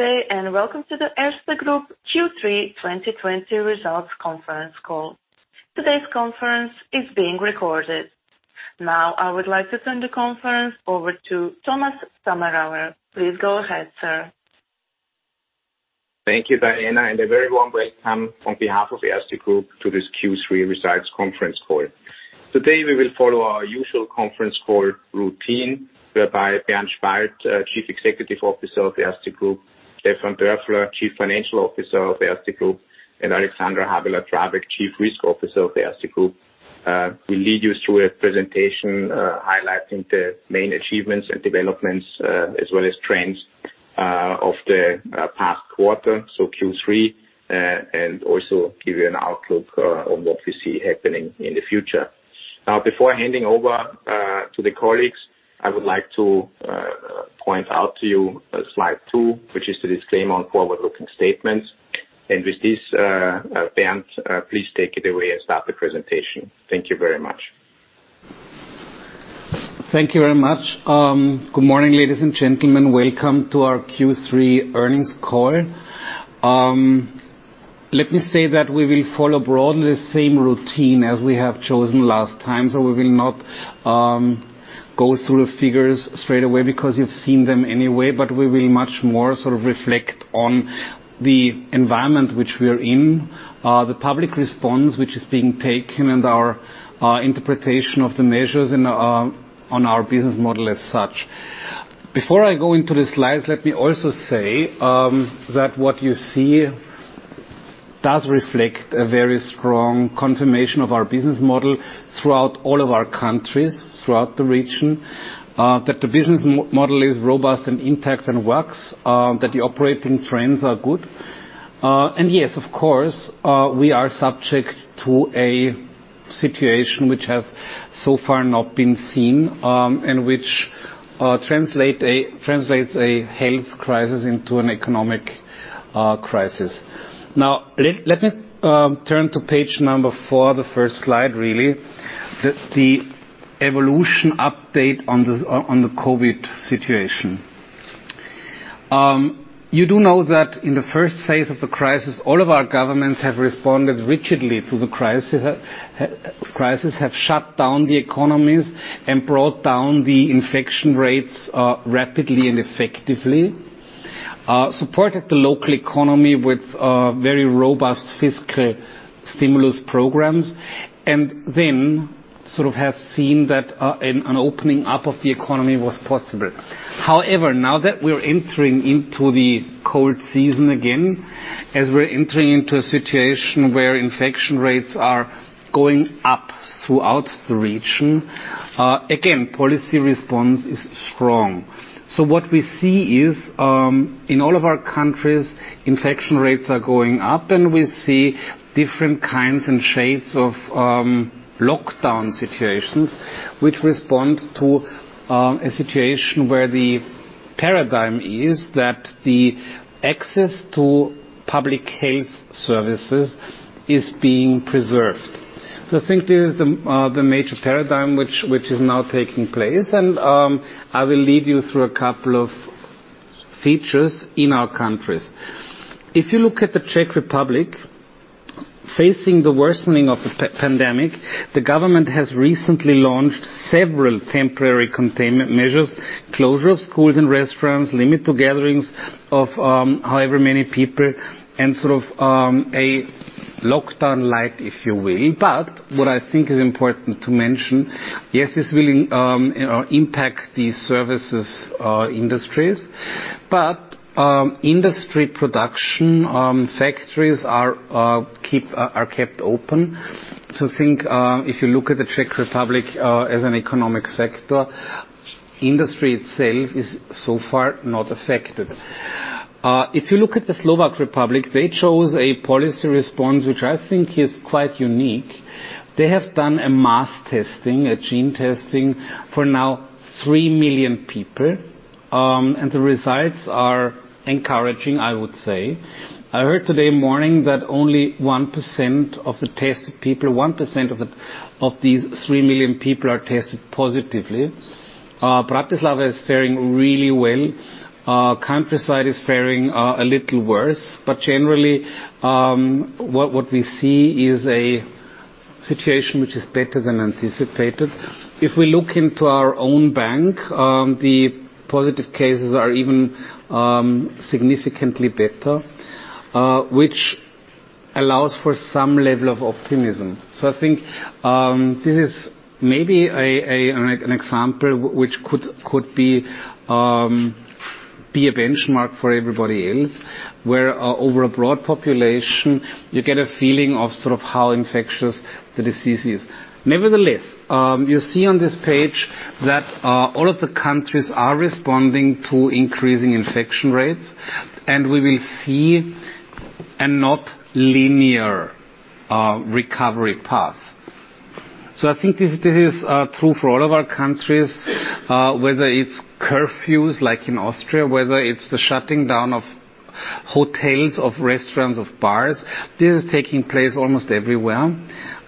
Good day, welcome to the Erste Group Q3 2020 results conference call. Today's conference is being recorded. I would like to turn the conference over to Thomas Sommerauer. Please go ahead, sir. Thank you, Diana, and a very warm welcome on behalf of Erste Group to this Q3 results conference call. Today we will follow our usual conference call routine, whereby Bernd Spalt, Chief Executive Officer of Erste Group, Stefan Dörfler, Chief Financial Officer of Erste Group, and Alexandra Habeler-Drabek, Chief Risk Officer of Erste Group, will lead you through a presentation highlighting the main achievements and developments, as well as trends of the past quarter, so Q3, and also give you an outlook on what we see happening in the future. Before handing over to the colleagues, I would like to point out to you slide two, which is the disclaimer on forward-looking statements. With this, Bernd, please take it away and start the presentation. Thank you very much. Thank you very much. Good morning, ladies and gentlemen. Welcome to our Q3 earnings call. Let me say that we will follow broadly the same routine as we have chosen last time, we will not go through the figures straight away because you've seen them anyway, but we will much more reflect on the environment which we are in, the public response which is being taken, and our interpretation of the measures on our business model as such. Before I go into the slides, let me also say that what you see does reflect a very strong confirmation of our business model throughout all of our countries, throughout the region, that the business model is robust and intact and works, that the operating trends are good. Yes, of course, we are subject to a situation which has so far not been seen, and which translates a health crisis into an economic crisis. Now, let me turn to page number four, the first slide really. The evolution update on the COVID situation. You do know that in the first phase of the crisis, all of our governments have responded rigidly to the crisis, have shut down the economies and brought down the infection rates rapidly and effectively, supported the local economy with very robust fiscal stimulus programs, and then have seen that an opening up of the economy was possible. Now that we're entering into the cold season again, as we're entering into a situation where infection rates are going up throughout the region, again, policy response is strong. What we see is, in all of our countries, infection rates are going up, and we see different kinds and shades of lockdown situations, which respond to a situation where the paradigm is that the access to public health services is being preserved. I think this is the major paradigm which is now taking place, and I will lead you through a couple of features in our countries. If you look at the Czech Republic, facing the worsening of the pandemic, the government has recently launched several temporary containment measures, closure of schools and restaurants, limit to gatherings of however many people, and a lockdown light, if you will. What I think is important to mention, yes, this will impact the services industries. Industry production, factories are kept open. Think, if you look at the Czech Republic as an economic sector, industry itself is so far not affected. If you look at the Slovak Republic, they chose a policy response, which I think is quite unique. They have done a mass testing, antigen testing, for now 3 million people, and the results are encouraging, I would say. I heard today morning that only 1% of the tested people, 1% of these 3 million people are tested positively. Bratislava is faring really well. Countryside is faring a little worse. Generally, what we see is a situation which is better than anticipated. If we look into our own bank, the positive cases are even significantly better, which allows for some level of optimism. I think this is maybe an example which could be a benchmark for everybody else, where over a broad population, you get a feeling of how infectious the disease is. Nevertheless, you see on this page that all of the countries are responding to increasing infection rates, and we will see a not linear recovery path. I think this is true for all of our countries, whether it's curfews like in Austria, whether it's the shutting down of hotels, of restaurants, of bars. This is taking place almost everywhere,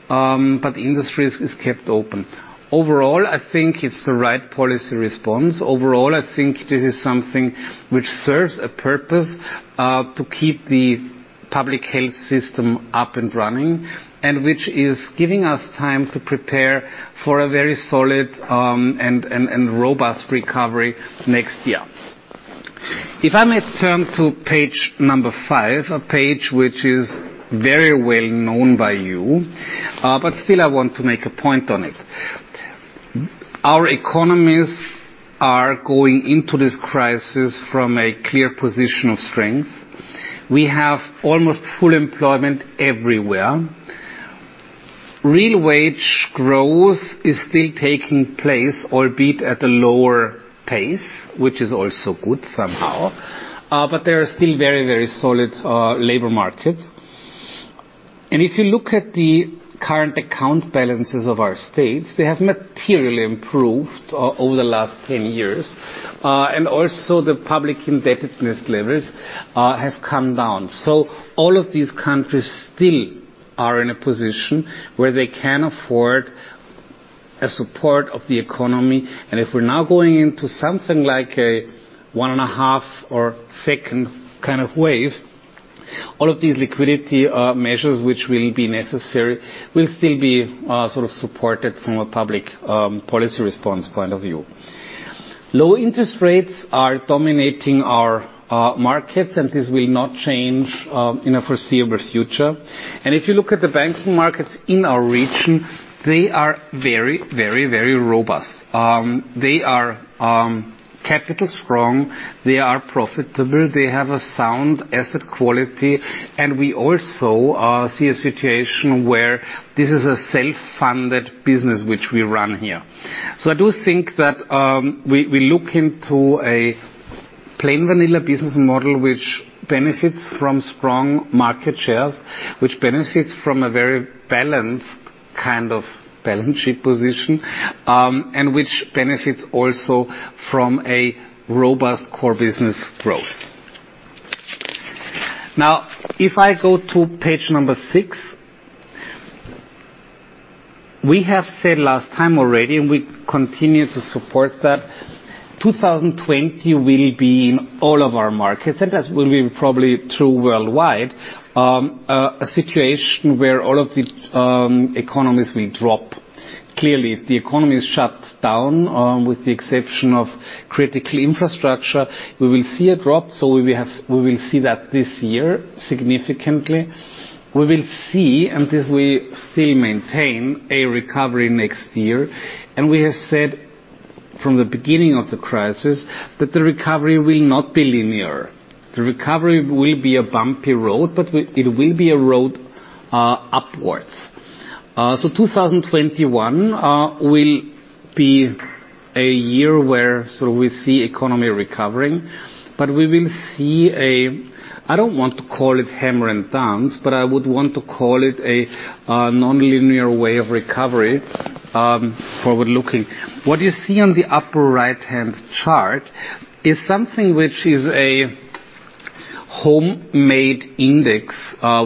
the industry is kept open. Overall, I think it's the right policy response. Overall, I think this is something which serves a purpose to keep the public health system up and running, and which is giving us time to prepare for a very solid and robust recovery next year. If I may turn to page number five, a page which is very well known by you. Still I want to make a point on it. Our economies are going into this crisis from a clear position of strength. We have almost full employment everywhere. Real wage growth is still taking place, albeit at a lower pace, which is also good somehow. There are still very solid labor markets. If you look at the current account balances of our states, they have materially improved over the last 10 years. Also the public indebtedness levels have come down. All of these countries still are in a position where they can afford a support of the economy. If we're now going into something like a one and a half or second kind of wave, all of these liquidity measures which will be necessary will still be supported from a public policy response point of view. Low interest rates are dominating our markets, and this will not change in the foreseeable future. If you look at the banking markets in our region, they are very robust. They are capital strong, they are profitable, they have a sound asset quality. We also see a situation where this is a self-funded business which we run here. I do think that we look into a plain vanilla business model, which benefits from strong market shares, which benefits from a very balanced kind of balance sheet position, and which benefits also from a robust core business growth. Now, if I go to page number six. We have said last time already, and we continue to support that 2020 will be in all of our markets, and that will be probably true worldwide, a situation where all of the economies will drop. Clearly, if the economy is shut down, with the exception of critical infrastructure, we will see a drop. We will see that this year significantly. We will see, and this we still maintain, a recovery next year. We have said from the beginning of the crisis that the recovery will not be linear. The recovery will be a bumpy road, but it will be a road upwards. 2021 will be a year where we see economy recovering, but we will see a, I don't want to call it hammer and dance, but I would want to call it a nonlinear way of recovery, forward-looking. What you see on the upper right-hand chart is something which is a homemade index,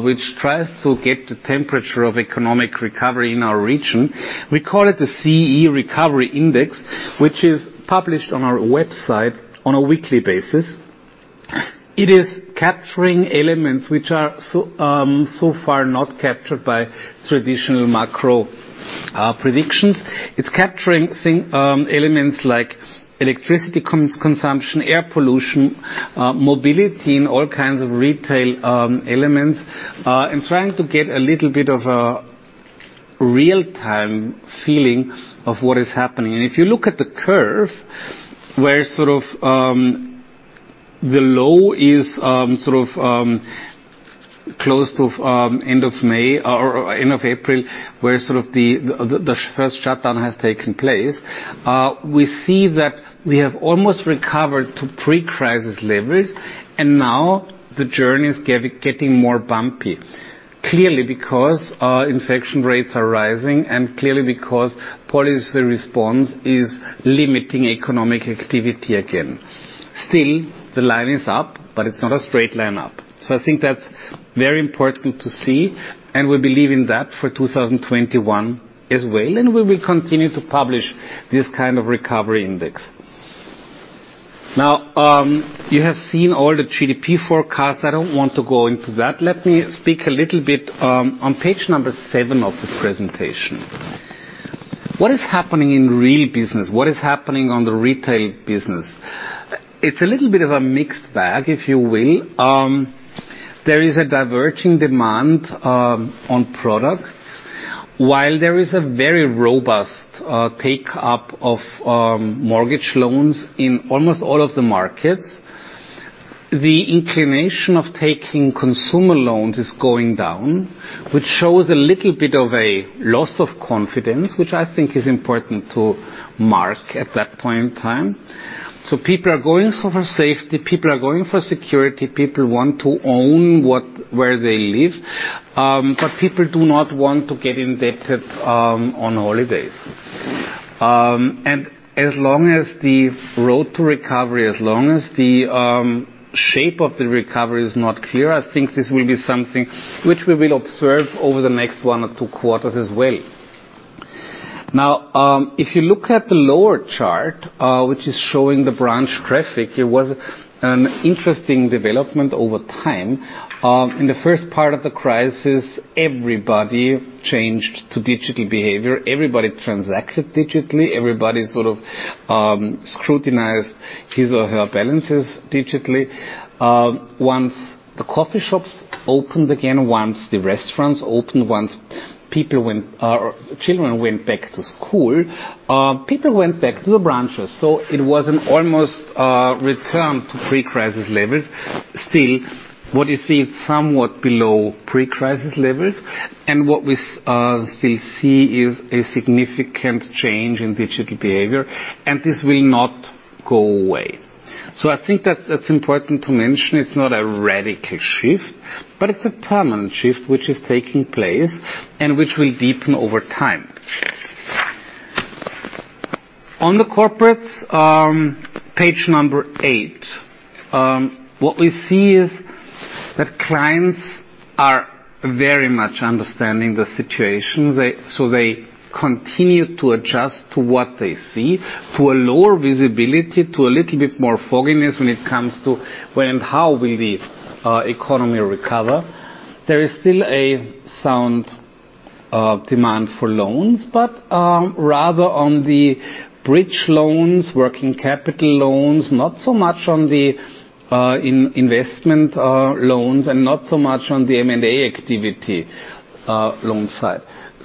which tries to get the temperature of economic recovery in our region. We call it the CEE Recovery Index, which is published on our website on a weekly basis. It is capturing elements which are so far not captured by traditional macro predictions. It's capturing elements like electricity consumption, air pollution, mobility, and all kinds of retail elements, and trying to get a little bit of a real-time feeling of what is happening. If you look at the curve, where the low is close to end of May or end of April, where the first shutdown has taken place, we see that we have almost recovered to pre-crisis levels. Now the journey is getting more bumpy. Clearly, because our infection rates are rising, and clearly because policy response is limiting economic activity again. The line is up, but it's not a straight line up. I think that's very important to see, and we believe in that for 2021 as well. We will continue to publish this kind of recovery index. You have seen all the GDP forecasts. I don't want to go into that. Let me speak a little bit on page number seven of the presentation. What is happening in real business? What is happening on the retail business? It's a little bit of a mixed bag, if you will. There is a diverging demand on products. While there is a very robust take-up of mortgage loans in almost all of the markets, the inclination of taking consumer loans is going down, which shows a little bit of a loss of confidence, which I think is important to mark at that point in time. People are going for safety, people are going for security, people want to own where they live. People do not want to get indebted on holidays. As long as the road to recovery, as long as the shape of the recovery is not clear, I think this will be something which we will observe over the next one or two quarters as well. If you look at the lower chart, which is showing the branch traffic, it was an interesting development over time. In the first part of the crisis, everybody changed to digital behavior. Everybody transacted digitally. Everybody scrutinized his or her balances digitally. Once the coffee shops opened again, once the restaurants opened, once children went back to school, people went back to the branches. It was an almost return to pre-crisis levels. Still, what you see is somewhat below pre-crisis levels, and what we still see is a significant change in digital behavior, and this will not go away. I think that's important to mention. It's not a radical shift, but it's a permanent shift, which is taking place, and which will deepen over time. On the corporates, page number 8. What we see is that clients are very much understanding the situation. They continue to adjust to what they see, to a lower visibility, to a little bit more fogginess when it comes to when and how will the economy recover. There is still a sound demand for loans, but rather on the bridge loans, working capital loans, not so much on the investment loans and not so much on the M&A activity loan side.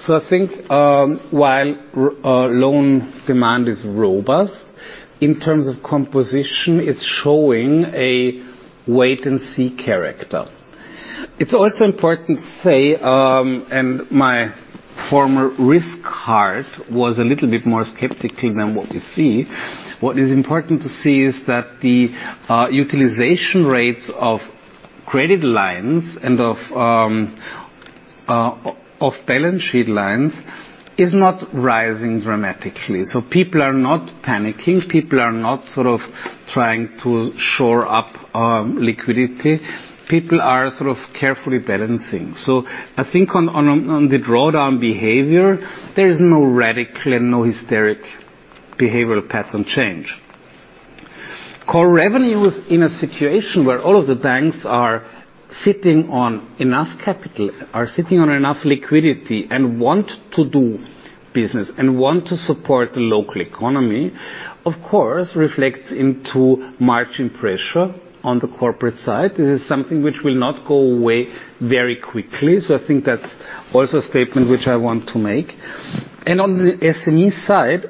I think while loan demand is robust, in terms of composition, it's showing a wait-and-see character. It's also important to say, my former risk heart was a little bit more skeptical than what we see. What is important to see is that the utilization rates of credit lines and of balance sheet lines is not rising dramatically. People are not panicking. People are not trying to shore up liquidity. People are carefully balancing. I think on the drawdown behavior, there is no radical and no hysterical behavioral pattern change. Core revenues in a situation where all of the banks are sitting on enough capital, are sitting on enough liquidity and want to do business and want to support the local economy, of course, reflects into margin pressure on the corporate side. This is something which will not go away very quickly. I think that's also a statement which I want to make. On the SME side,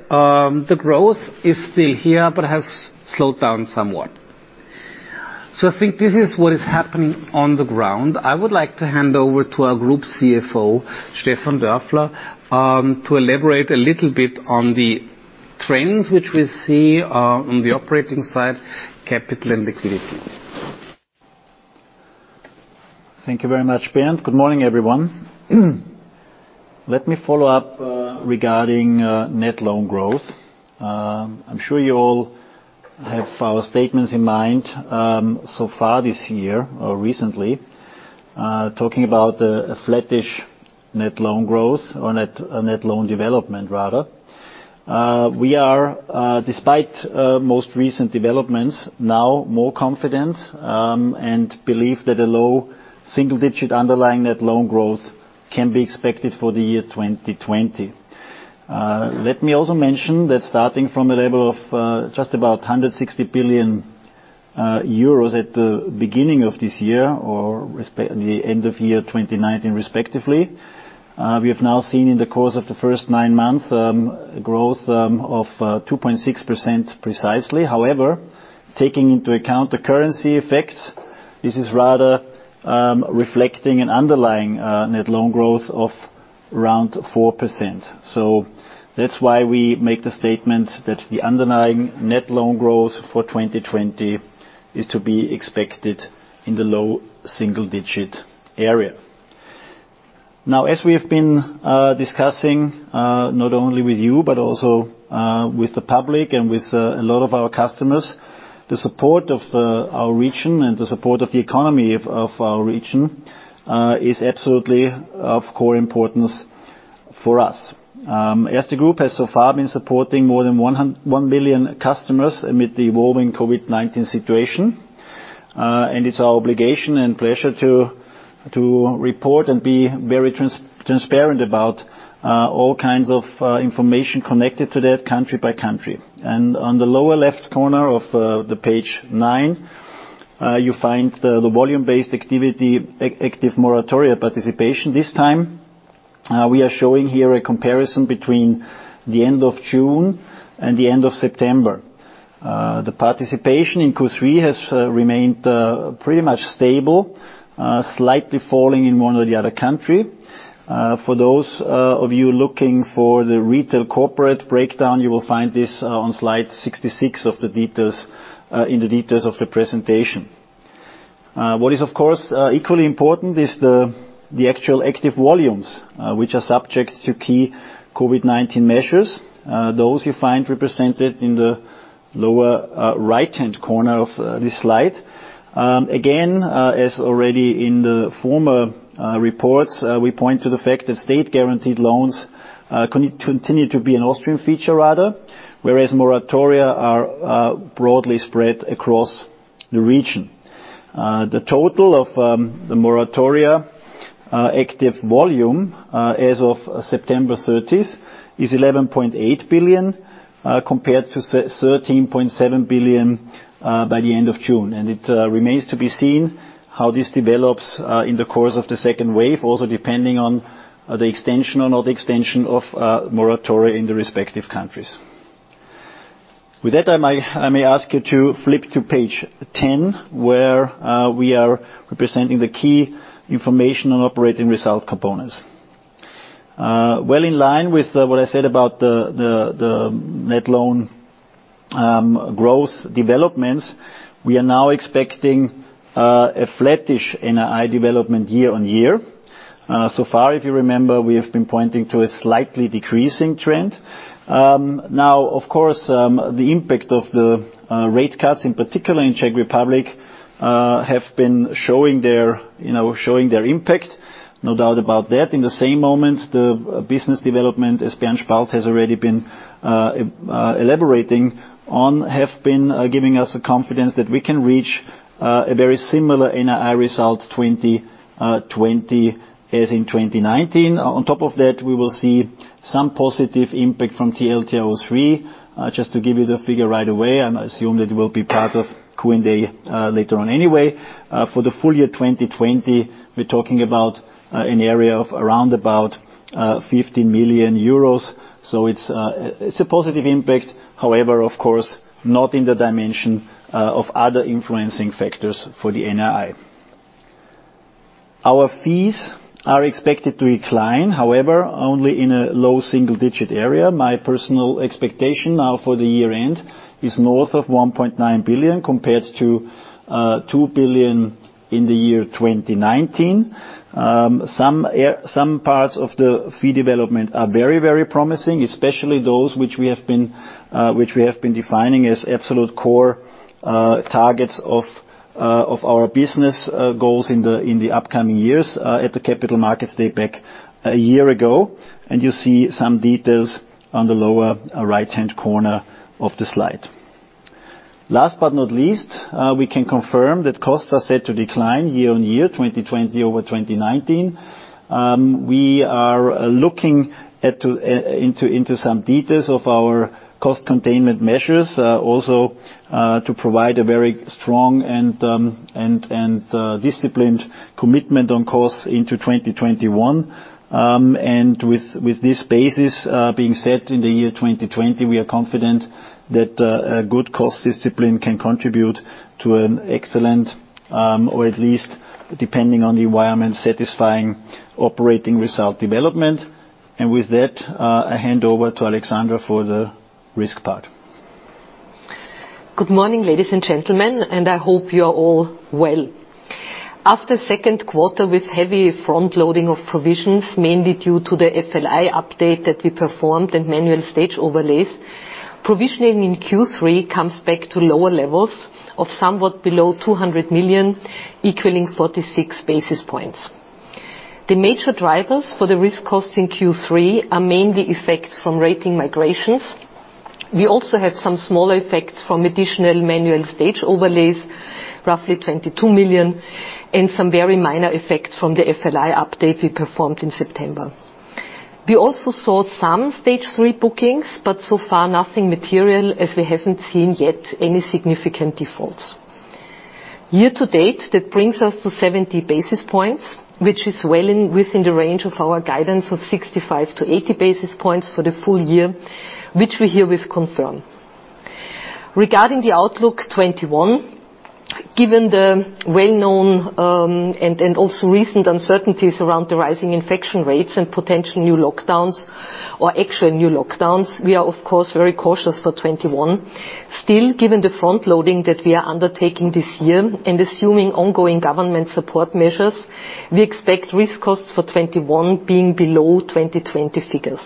the growth is still here, but has slowed down somewhat. I think this is what is happening on the ground. I would like to hand over to our Group Chief Financial Officer, Stefan Dörfler, to elaborate a little bit on the trends which we see on the operating side, capital, and liquidity. Thank you very much, Bernd. Good morning, everyone. Let me follow up regarding net loan growth. I'm sure you all have our statements in mind so far this year or recently, talking about a flattish net loan growth or net loan development, rather. We are, despite most recent developments, now more confident and believe that a low single-digit underlying net loan growth can be expected for the year 2020. Let me also mention that starting from a level of just about 160 billion euros at the beginning of this year or the end of year 2019, respectively, we have now seen in the course of the first nine months growth of 2.6% precisely. However, taking into account the currency effects, this is rather reflecting an underlying net loan growth of around 4%. That's why we make the statement that the underlying net loan growth for 2020 is to be expected in the low single-digit area. Now, as we have been discussing, not only with you but also with the public and with a lot of our customers, the support of our region and the support of the economy of our region is absolutely of core importance for us. Erste Group has so far been supporting more than 1 million customers amid the evolving COVID-19 situation, and it's our obligation and pleasure to report and be very transparent about all kinds of information connected to that country by country. On the lower left corner of page nine, you find the volume-based activity, active moratoria participation. This time, we are showing here a comparison between the end of June and the end of September. The participation in Q3 has remained pretty much stable, slightly falling in one or the other country. For those of you looking for the retail corporate breakdown, you will find this on slide 66 in the details of the presentation. What is, of course, equally important is the actual active volumes, which are subject to key COVID-19 measures. Those you find represented in the lower right-hand corner of this slide. Again, as already in the former reports, we point to the fact that state-guaranteed loans continue to be an Austrian feature rather, whereas moratoria are broadly spread across the region. The total of the moratoria active volume as of September 30th is 11.8 billion, compared to 13.7 billion by the end of June. It remains to be seen how this develops in the course of the second wave, also depending on the extension or not extension of moratoria in the respective countries. With that, I may ask you to flip to page 10, where we are representing the key information on operating result components. Well in line with what I said about the net loan growth developments, we are now expecting a flattish NII development year-on-year. So far, if you remember, we have been pointing to a slightly decreasing trend. Of course, the impact of the rate cuts, in particular in Czech Republic, have been showing their impact, no doubt about that. In the same moment, the business development, as Bernd Spalt has already been elaborating on, have been giving us the confidence that we can reach a very similar NII result 2020 as in 2019. On top of that, we will see some positive impact from TLTRO III. Just to give you the figure right away, I assume that will be part of Q&A later on anyway. For the full year 2020, we're talking about an area of around about 50 million euros. It's a positive impact. Of course, not in the dimension of other influencing factors for the NII. Our fees are expected to decline, however, only in a low single-digit area. My personal expectation now for the year-end is north of 1.9 billion, compared to 2 billion in the year 2019. Some parts of the fee development are very promising, especially those which we have been defining as absolute core targets of our business goals in the upcoming years at the Capital Markets Day back a year ago, and you see some details on the lower right-hand corner of the slide. Last but not least, we can confirm that costs are set to decline year-on-year 2020 over 2019. We are looking into some details of our cost containment measures, also to provide a very strong and disciplined commitment on costs into 2021. With this basis being set in the year 2020, we are confident that a good cost discipline can contribute to an excellent or at least, depending on the environment, satisfying operating result development. With that, I hand over to Alexandra for the risk part. Good morning, ladies and gentlemen. I hope you are all well. After second quarter with heavy front-loading of provisions, mainly due to the FLI update that we performed and manual stage overlays, provisioning in Q3 comes back to lower levels of somewhat below 200 million, equaling 46 basis points. The major drivers for the risk costs in Q3 are mainly effects from rating migrations. We also have some smaller effects from additional manual stage overlays, roughly 22 million, and some very minor effects from the FLI update we performed in September. We also saw some Stage 3 bookings, so far nothing material as we haven't seen yet any significant defaults. Year to date, that brings us to 70 basis points, which is well within the range of our guidance of 65 basis points-80 basis points for the full year, which we herewith confirm. Regarding the outlook 2021, given the well-known, and also recent uncertainties around the rising infection rates and potential new lockdowns or actual new lockdowns, we are of course very cautious for 2021. Still, given the front-loading that we are undertaking this year and assuming ongoing government support measures, we expect risk costs for 2021 being below 2020 figures.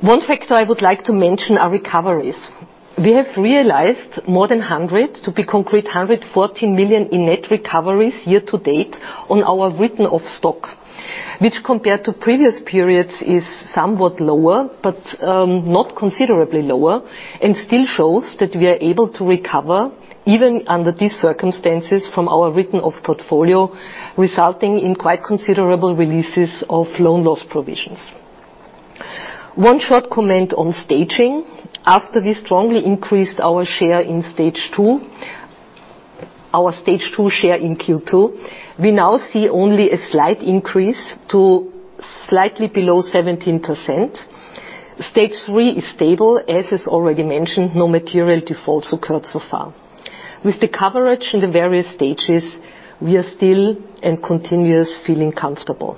One factor I would like to mention are recoveries. We have realized more than 100 million, to be concrete, 114 million in net recoveries year to date on our written-off stock. Which compared to previous periods is somewhat lower, but not considerably lower and still shows that we are able to recover, even under these circumstances, from our written-off portfolio, resulting in quite considerable releases of loan loss provisions. One short comment on staging. After we strongly increased our share in Stage 2, our Stage 2 share in Q2, we now see only a slight increase to slightly below 17%. Stage 3 is stable. As is already mentioned, no material defaults occurred so far. With the coverage in the various stages, we are still and continuously feeling comfortable.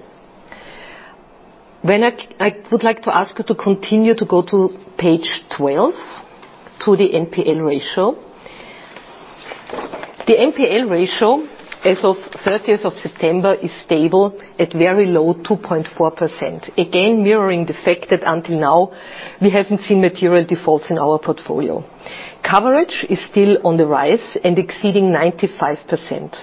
I would like to ask you to continue to go to page 12, to the NPL ratio. The NPL ratio as of 30th of September is stable at very low 2.4%, again mirroring the fact that until now, we haven't seen material defaults in our portfolio. Coverage is still on the rise and exceeding 95%.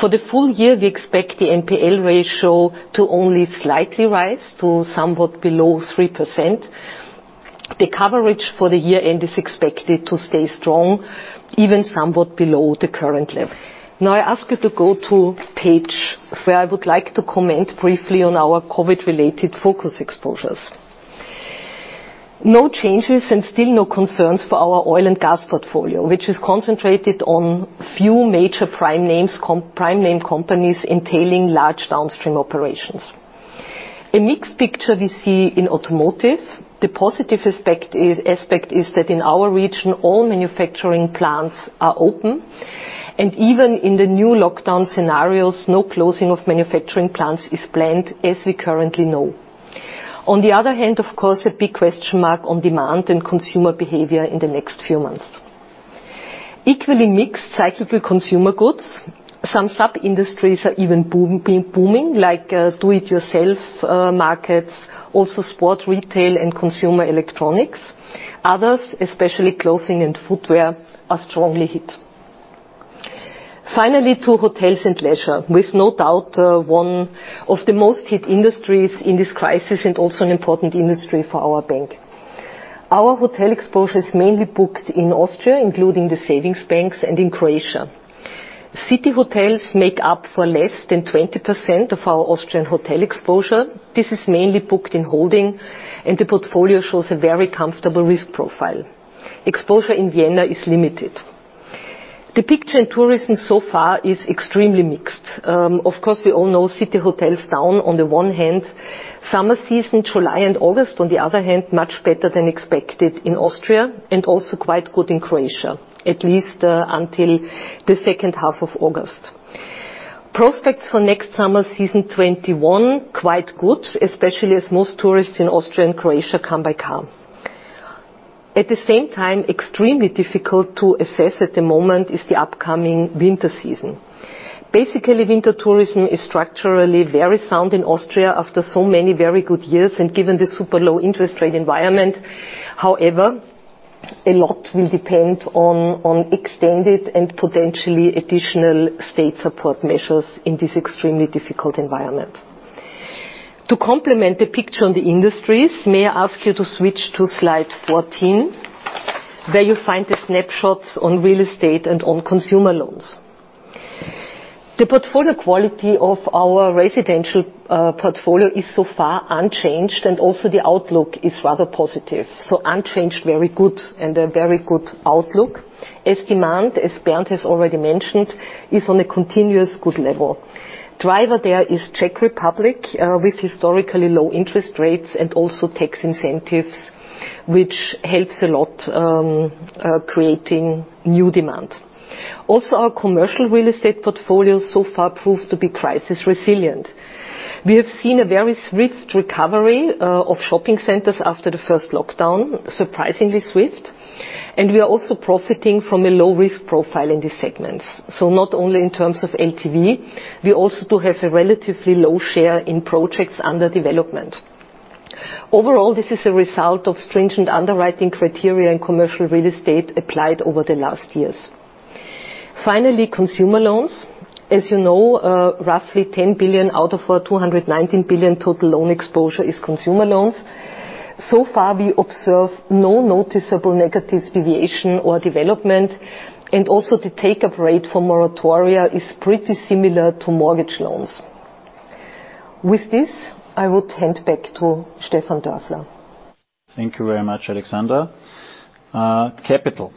For the full year, we expect the NPL ratio to only slightly rise to somewhat below 3%. The coverage for the year-end is expected to stay strong, even somewhat below the current level. Now I ask you to go to page 3 where I would like to comment briefly on our COVID-related focus exposures. No changes, still no concerns for our oil and gas portfolio, which is concentrated on few major prime name companies entailing large downstream operations. A mixed picture we see in automotive. The positive aspect is that in our region, all manufacturing plants are open and even in the new lockdown scenarios, no closing of manufacturing plants is planned as we currently know. On the other hand, of course, a big question mark on demand and consumer behavior in the next few months. Equally mixed, cyclical consumer goods. Some sub-industries are even booming like do-it-yourself markets, also sports retail and consumer electronics. Others, especially clothing and footwear, are strongly hit. Finally, to hotels and leisure. With no doubt, one of the most hit industries in this crisis and also an important industry for our bank. Our hotel exposure is mainly booked in Austria, including the savings banks and in Croatia. City hotels make up for less than 20% of our Austrian hotel exposure. This is mainly booked in holding, and the portfolio shows a very comfortable risk profile. Exposure in Vienna is limited. The picture in tourism so far is extremely mixed. Of course, we all know city hotels down on the one hand. Summer season, July and August, on the other hand, much better than expected in Austria and also quite good in Croatia, at least until the second half of August. Prospects for next summer season 2021, quite good, especially as most tourists in Austria and Croatia come by car. At the same time, extremely difficult to assess at the moment is the upcoming winter season. Basically, winter tourism is structurally very sound in Austria after so many very good years and given the super low interest rate environment. However, a lot will depend on extended and potentially additional state support measures in this extremely difficult environment. To complement the picture on the industries, may I ask you to switch to slide 14, where you find the snapshots on real estate and on consumer loans. The portfolio quality of our residential portfolio is so far unchanged, and also the outlook is rather positive. Unchanged, very good and a very good outlook as demand, as Bernd has already mentioned, is on a continuous good level. Driver there is Czech Republic, with historically low interest rates and also tax incentives, which helps a lot creating new demand. Also, our commercial real estate portfolio so far proved to be crisis resilient. We have seen a very swift recovery of shopping centers after the first lockdown, surprisingly swift, and we are also profiting from a low risk profile in these segments. Not only in terms of LTV, we also do have a relatively low share in projects under development. Overall, this is a result of stringent underwriting criteria in commercial real estate applied over the last years. Finally, consumer loans. As you know, roughly 10 billion out of our 219 billion total loan exposure is consumer loans. So far, we observe no noticeable negative deviation or development, and also the take-up rate for moratoria is pretty similar to mortgage loans. With this, I would hand back to Stefan Dörfler. Thank you very much, Alexandra. Capital.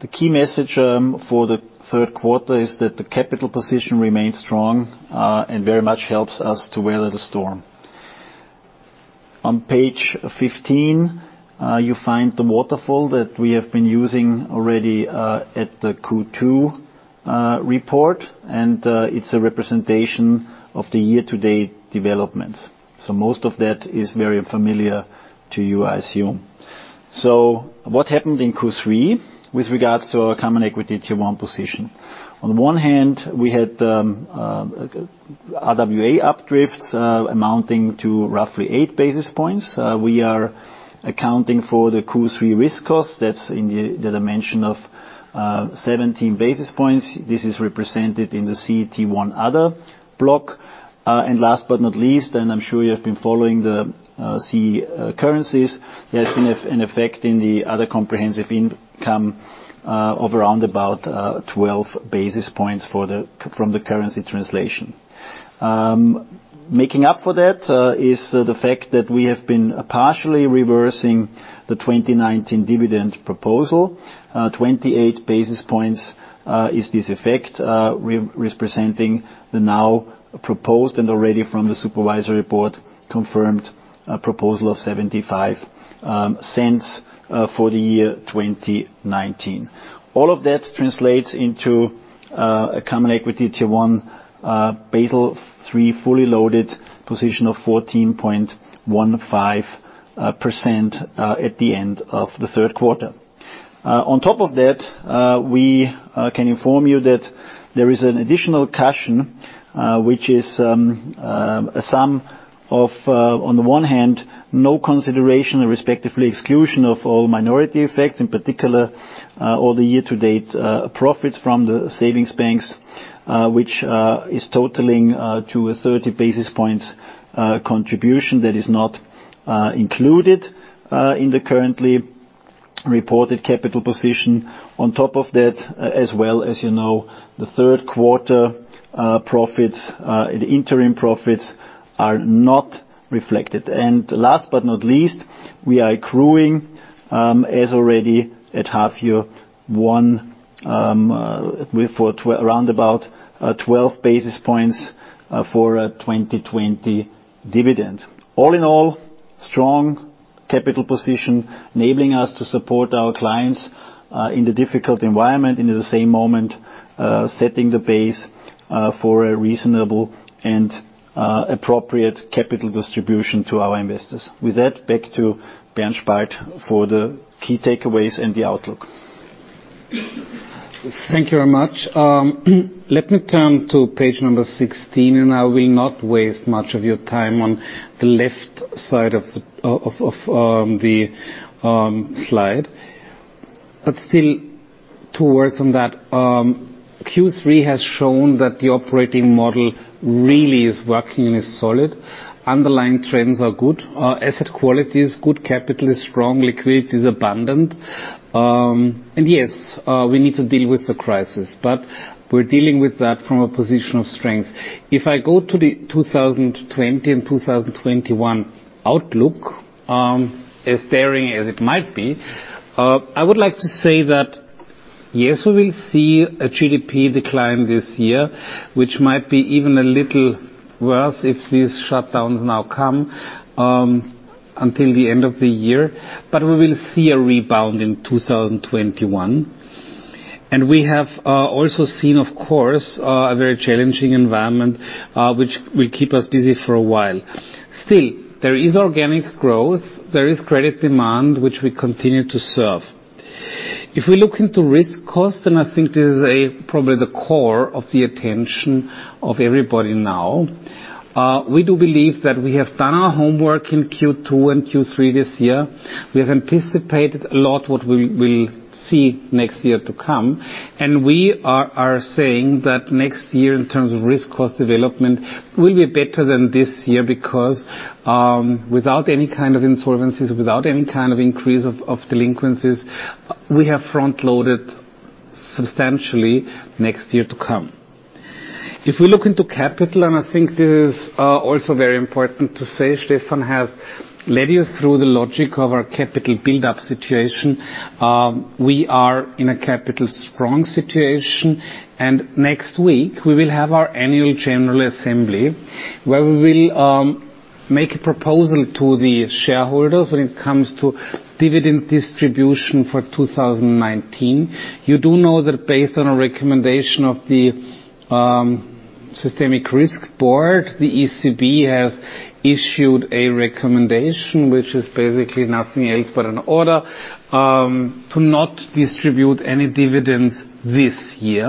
The key message for the third quarter is that the capital position remains strong and very much helps us to weather the storm. On page 15, you find the waterfall that we have been using already at the Q2 report. It's a representation of the year-to-date developments. Most of that is very familiar to you, I assume. What happened in Q3 with regards to our Common Equity Tier 1 position? On the one hand, we had RWA updrafts amounting to roughly eight basis points. We are accounting for the Q3 risk costs. That's in the dimension of 17 basis points. This is represented in the CET1 Other block. Last but not least, I'm sure you have been following the CEE currencies, there has been an effect in the Other Comprehensive Income of around about 12 basis points from the currency translation. Making up for that is the fact that we have been partially reversing the 2019 dividend proposal. 28 basis points is this effect, representing the now proposed and already from the supervisory board confirmed proposal of 0.75 for the year 2019. All of that translates into a Common Equity Tier 1 Basel III fully loaded position of 14.15% at the end of the third quarter. On top of that, we can inform you that there is an additional cushion, which is a sum of on the one hand, no consideration respectively exclusion of all minority effects, in particular all the year to date profits from the savings banks, which is totaling to a 30 basis points contribution that is not included in the currently reported capital position. On top of that, as well as you know, the third quarter profits, the interim profits are not reflected. Last but not least, we are accruing as already at half year one with around about 12 basis points for a 2020 dividend. All in all, strong capital position enabling us to support our clients in the difficult environment, in the same moment setting the base for a reasonable and appropriate capital distribution to our investors. With that, back to Bernd Spalt for the key takeaways and the outlook. Thank you very much. Let me turn to page 16, and I will not waste much of your time on the left side of the slide. Still two words on that. Q3 has shown that the operating model really is working and is solid. Underlying trends are good. Our asset quality is good, capital is strong, liquidity is abundant. Yes, we need to deal with the crisis, but we're dealing with that from a position of strength. If I go to the 2020 and 2021 outlook, as daring as it might be, I would like to say that yes, we will see a GDP decline this year, which might be even a little worse if these shutdowns now come until the end of the year, but we will see a rebound in 2021. We have also seen, of course, a very challenging environment, which will keep us busy for a while. Still, there is organic growth, there is credit demand, which we continue to serve. If we look into risk costs, and I think this is probably the core of the attention of everybody now, we do believe that we have done our homework in Q2 and Q3 this year. We have anticipated a lot what we'll see next year to come, and we are saying that next year in terms of risk costs development will be better than this year because without any kind of insolvencies, without any kind of increase of delinquencies, we have front-loaded substantially next year to come. If we look into capital, and I think this is also very important to say, Stefan has led us through the logic of our capital buildup situation. We are in a capital strong situation. Next week we will have our annual general assembly where we will make a proposal to the shareholders when it comes to dividend distribution for 2019. You do know that based on a recommendation of the Systemic Risk Board, the ECB has issued a recommendation which is basically nothing else but an order to not distribute any dividends this year.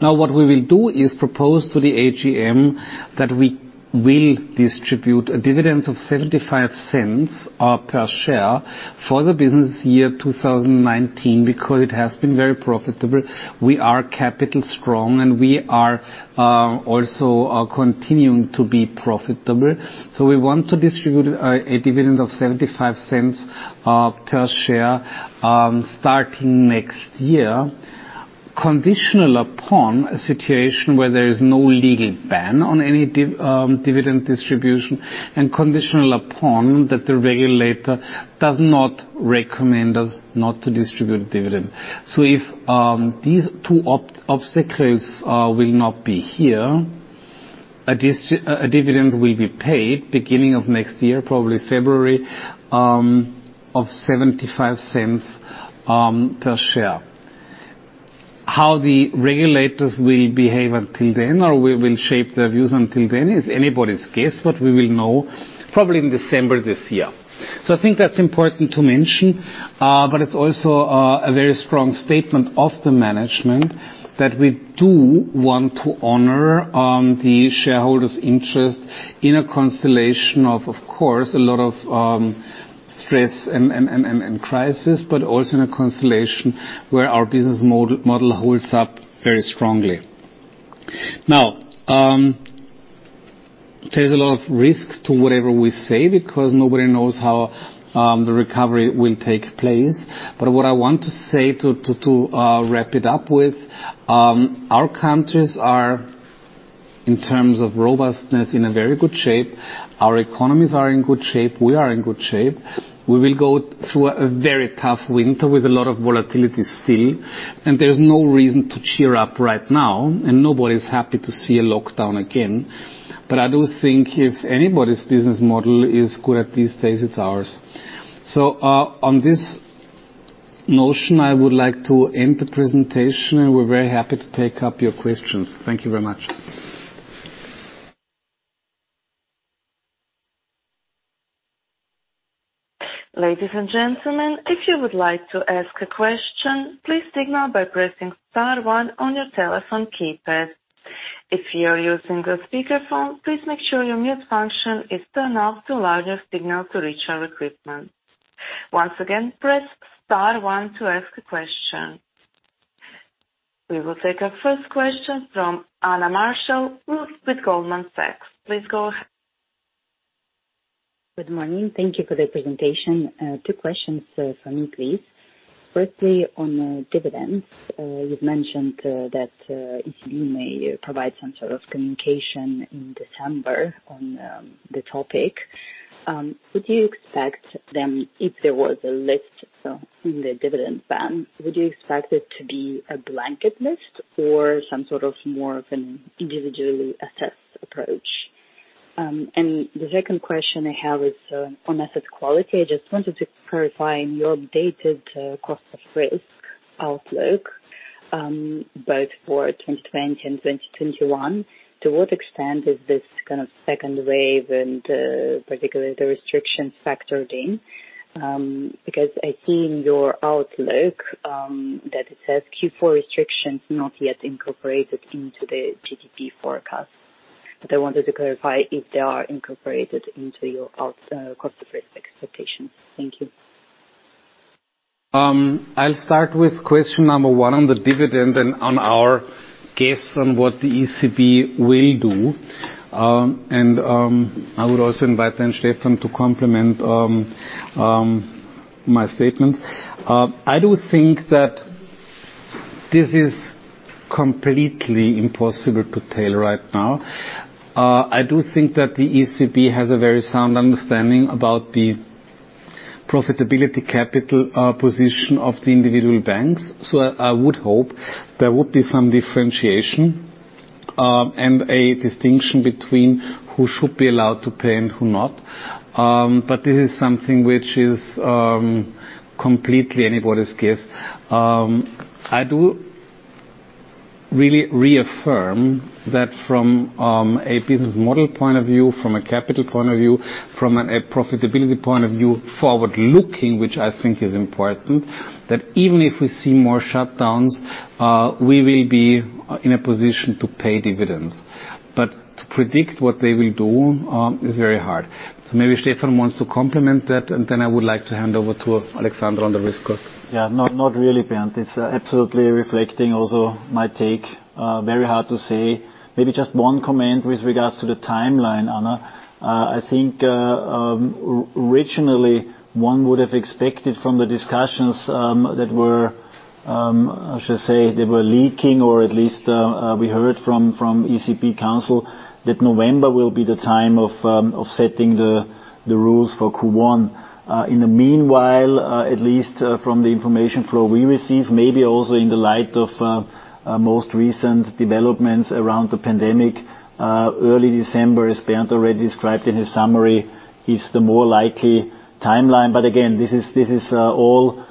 Now, what we will do is propose to the AGM that we will distribute a dividend of 0.75 per share for the business year 2019 because it has been very profitable. We are capital strong, and we are also continuing to be profitable. We want to distribute a dividend of 0.75 per share starting next year, conditional upon a situation where there is no legal ban on any dividend distribution and conditional upon that the regulator does not recommend us not to distribute dividend. If these two obstacles will not be here, a dividend will be paid beginning of next year, probably February, of 0.75 per share. How the regulators will behave until then or will shape their views until then is anybody's guess, but we will know probably in December this year. I think that's important to mention, but it's also a very strong statement of the management that we do want to honor the shareholders' interest in a constellation of course, a lot of stress and crisis, but also in a constellation where our business model holds up very strongly. There's a lot of risk to whatever we say because nobody knows how the recovery will take place. What I want to say to wrap it up with, our countries are, in terms of robustness, in a very good shape. Our economies are in good shape. We are in good shape. We will go through a very tough winter with a lot of volatility still. There's no reason to cheer up right now, and nobody's happy to see a lockdown again. I do think if anybody's business model is good at these days, it's ours. On this notion, I would like to end the presentation, and we're very happy to take up your questions. Thank you very much. Ladies and gentlemen, if you would like to ask a question, please signal by pressing star one on your telephone keypad. If you are using a speakerphone, please make sure your mute function is turned off to allow us to signal to reach our equipment. Once again, press star one to ask a question. We will take our first question from Anna Marshall with Goldman Sachs. Please go ahead. Good morning. Thank you for the presentation. Two questions from me, please. Firstly, on the dividends, you've mentioned that ECB may provide some sort of communication in December on the topic. Would you expect them, if there was a lift in the dividend ban, would you expect it to be a blanket lift or some sort of more of an individually assessed approach? The second question I have is on asset quality. I just wanted to clarify in your updated cost of risk outlook, both for 2020 and 2021, to what extent is this kind of second wave and particularly the restrictions factored in? I see in your outlook that it says Q4 restrictions not yet incorporated into the GDP forecast, but I wanted to clarify if they are incorporated into your cost of risk expectations. Thank you. I'll start with question number one on the dividend and on our guess on what the ECB will do. I would also invite then Stefan to complement my statement. I do think that this is completely impossible to tell right now. I do think that the ECB has a very sound understanding about the profitability capital position of the individual banks. I would hope there would be some differentiation, and a distinction between who should be allowed to pay and who not. This is something which is completely anybody's guess. I do really reaffirm that from a business model point of view, from a capital point of view, from a profitability point of view, forward-looking, which I think is important, that even if we see more shutdowns, we will be in a position to pay dividends. To predict what they will do is very hard. Maybe Stefan wants to complement that, and then I would like to hand over to Alexandra on the risk cost. Yeah, not really, Bernd. It's absolutely reflecting also my take. Very hard to say. Maybe just one comment with regards to the timeline, Anna. I think originally one would have expected from the discussions that were, I should say, they were leaking, or at least we heard from ECB Council that November will be the time of setting the rules for Q1. In the meanwhile, at least from the information flow we receive, maybe also in the light of most recent developments around the pandemic, early December, as Bernd already described in his summary, is the more likely timeline. Again, this is all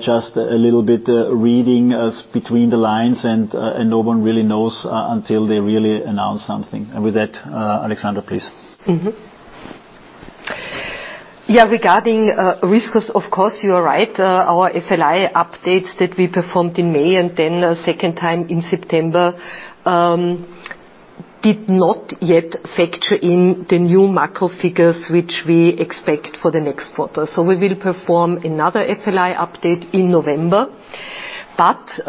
just a little bit reading between the lines and no one really knows until they really announce something. With that Alexandra, please. Yeah, regarding risk costs, of course, you are right. Our FLI updates that we performed in May and then a second time in September, did not yet factor in the new macro figures which we expect for the next quarter. We will perform another FLI update in November. As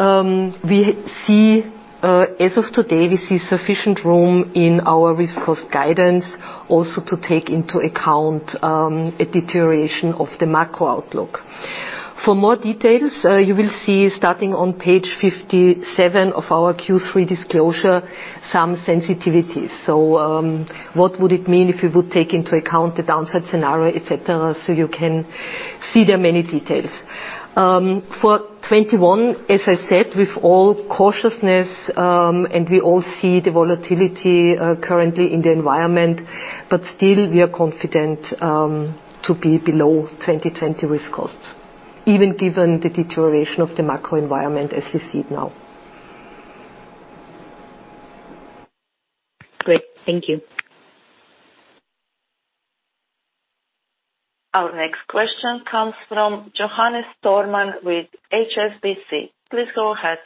of today, we see sufficient room in our risk costs guidance also to take into account a deterioration of the macro outlook. For more details, you will see starting on page 57 of our Q3 disclosure some sensitivities. What would it mean if we would take into account the downside scenario, et cetera. You can see there many details. For 2021, as I said, with all cautiousness, and we all see the volatility currently in the environment, but still we are confident to be below 2020 risk costs, even given the deterioration of the macro environment as we see it now. Great. Thank you. Our next question comes from Johannes Thormann with HSBC. Please go ahead.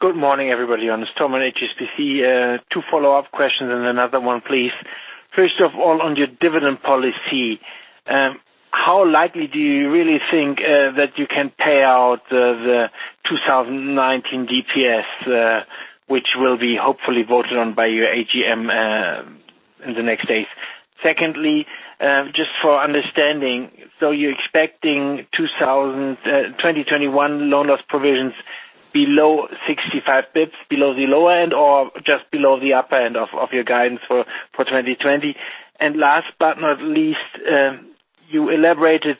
Good morning, everybody. Johannes Thormann, HSBC. Two follow-up questions and another one, please. First of all, on your dividend policy, how likely do you really think that you can pay out the 2019 DPS, which will be hopefully voted on by your AGM in the next days? Secondly, just for understanding, so you're expecting 2021 loan loss provisions below 65 basis points, below the low end or just below the upper end of your guidance for 2020? Last but not least, you elaborated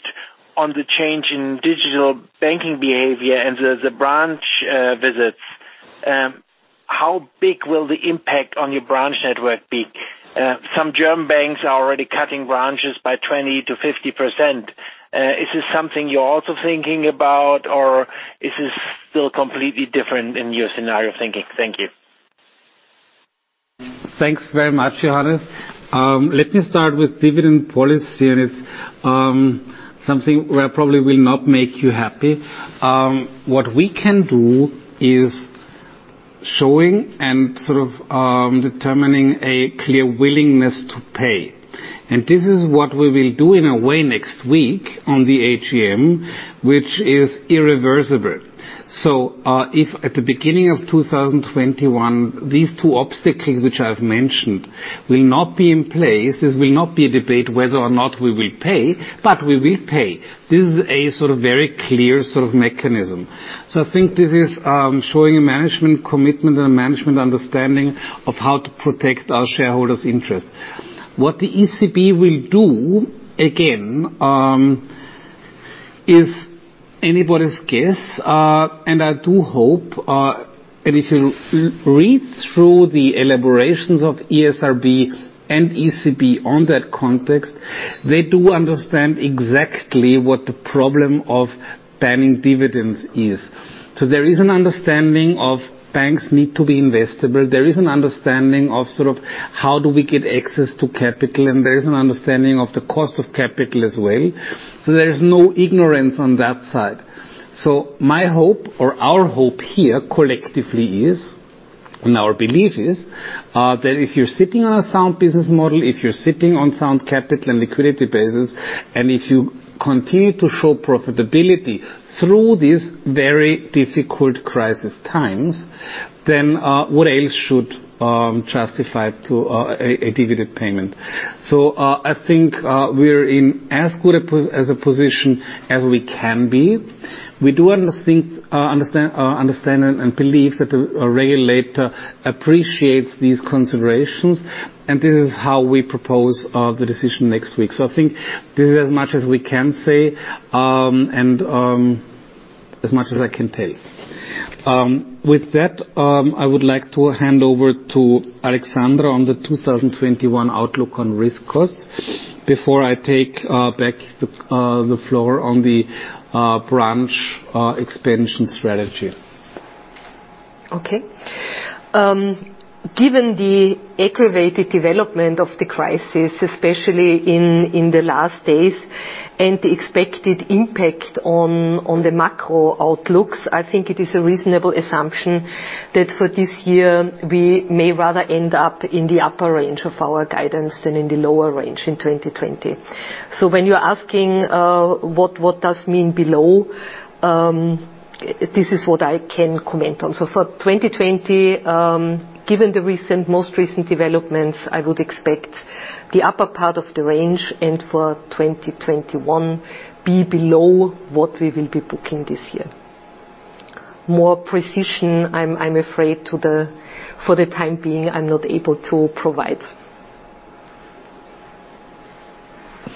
on the change in digital banking behavior and the branch visits. How big will the impact on your branch network be? Some German banks are already cutting branches by 20%-50%. Is this something you're also thinking about, or is this still completely different in your scenario thinking? Thank you. Thanks very much, Johannes. Let me start with dividend policy, and it's something where I probably will not make you happy. What we can do is showing and sort of determining a clear willingness to pay. This is what we will do in a way next week on the AGM, which is irreversible. If at the beginning of 2021, these two obstacles which I've mentioned will not be in place, this will not be a debate whether or not we will pay, but we will pay. This is a very clear sort of mechanism. I think this is showing management commitment and management understanding of how to protect our shareholders' interest. What the ECB will do, again, is anybody's guess. I do hope, and if you read through the elaborations of ESRB and ECB on that context, they do understand exactly what the problem of banning dividends is. There is an understanding of banks need to be investable. There is an understanding of how do we get access to capital, and there is an understanding of the cost of capital as well. There is no ignorance on that side. My hope or our hope here collectively is, and our belief is, that if you're sitting on a sound business model, if you're sitting on sound capital and liquidity basis, and if you continue to show profitability through these very difficult crisis times, then what else should justify to a dividend payment? I think we're in as good a position as we can be. We do understand and believe that the regulator appreciates these considerations. This is how we propose the decision next week. I think this is as much as we can say, and as much as I can tell. With that, I would like to hand over to Alexandra on the 2021 outlook on risk costs before I take back the floor on the branch expansion strategy. Given the aggravated development of the crisis, especially in the last days, and the expected impact on the macro outlooks, I think it is a reasonable assumption that for this year, we may rather end up in the upper range of our guidance than in the lower range in 2020. When you're asking what does it mean below, this is what I can comment on. For 2020, given the most recent developments, I would expect the upper part of the range and for 2021 be below what we will be booking this year. More precision, I'm afraid for the time being, I'm not able to provide.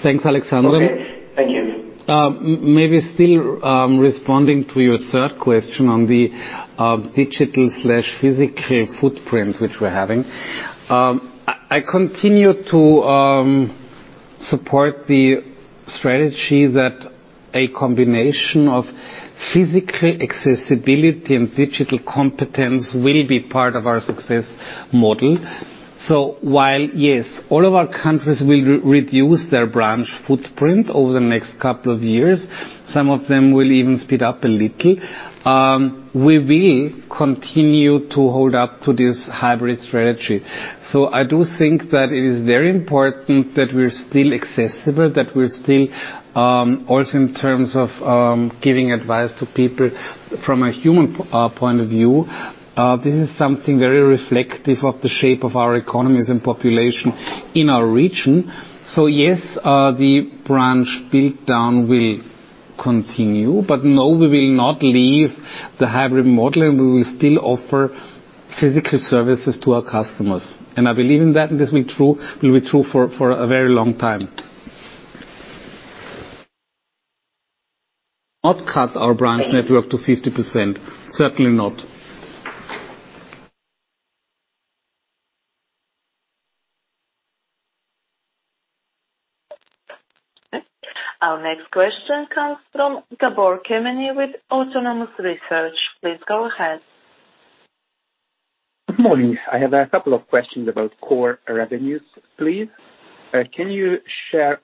Thanks, Alexandra. Okay. Thank you. Still responding to your third question on the digital/physical footprint which we're having. I continue to support the strategy that a combination of physical accessibility and digital competence will be part of our success model. While, yes, all of our countries will reduce their branch footprint over the next couple of years, some of them will even speed up a little, we will continue to hold up to this hybrid strategy. I do think that it is very important that we're still accessible, that we're still also in terms of giving advice to people from a human point of view. This is something very reflective of the shape of our economies and population in our region. Yes, the branch build down will continue, but no, we will not leave the hybrid model and we will still offer physical services to our customers. I believe in that, and this will be true for a very long time. Not cut our branch network to 50%, certainly not. Okay. Our next question comes from Gabor Kemeny with Autonomous Research. Please go ahead. Good morning. I have a couple of questions about core revenues, please. Can you share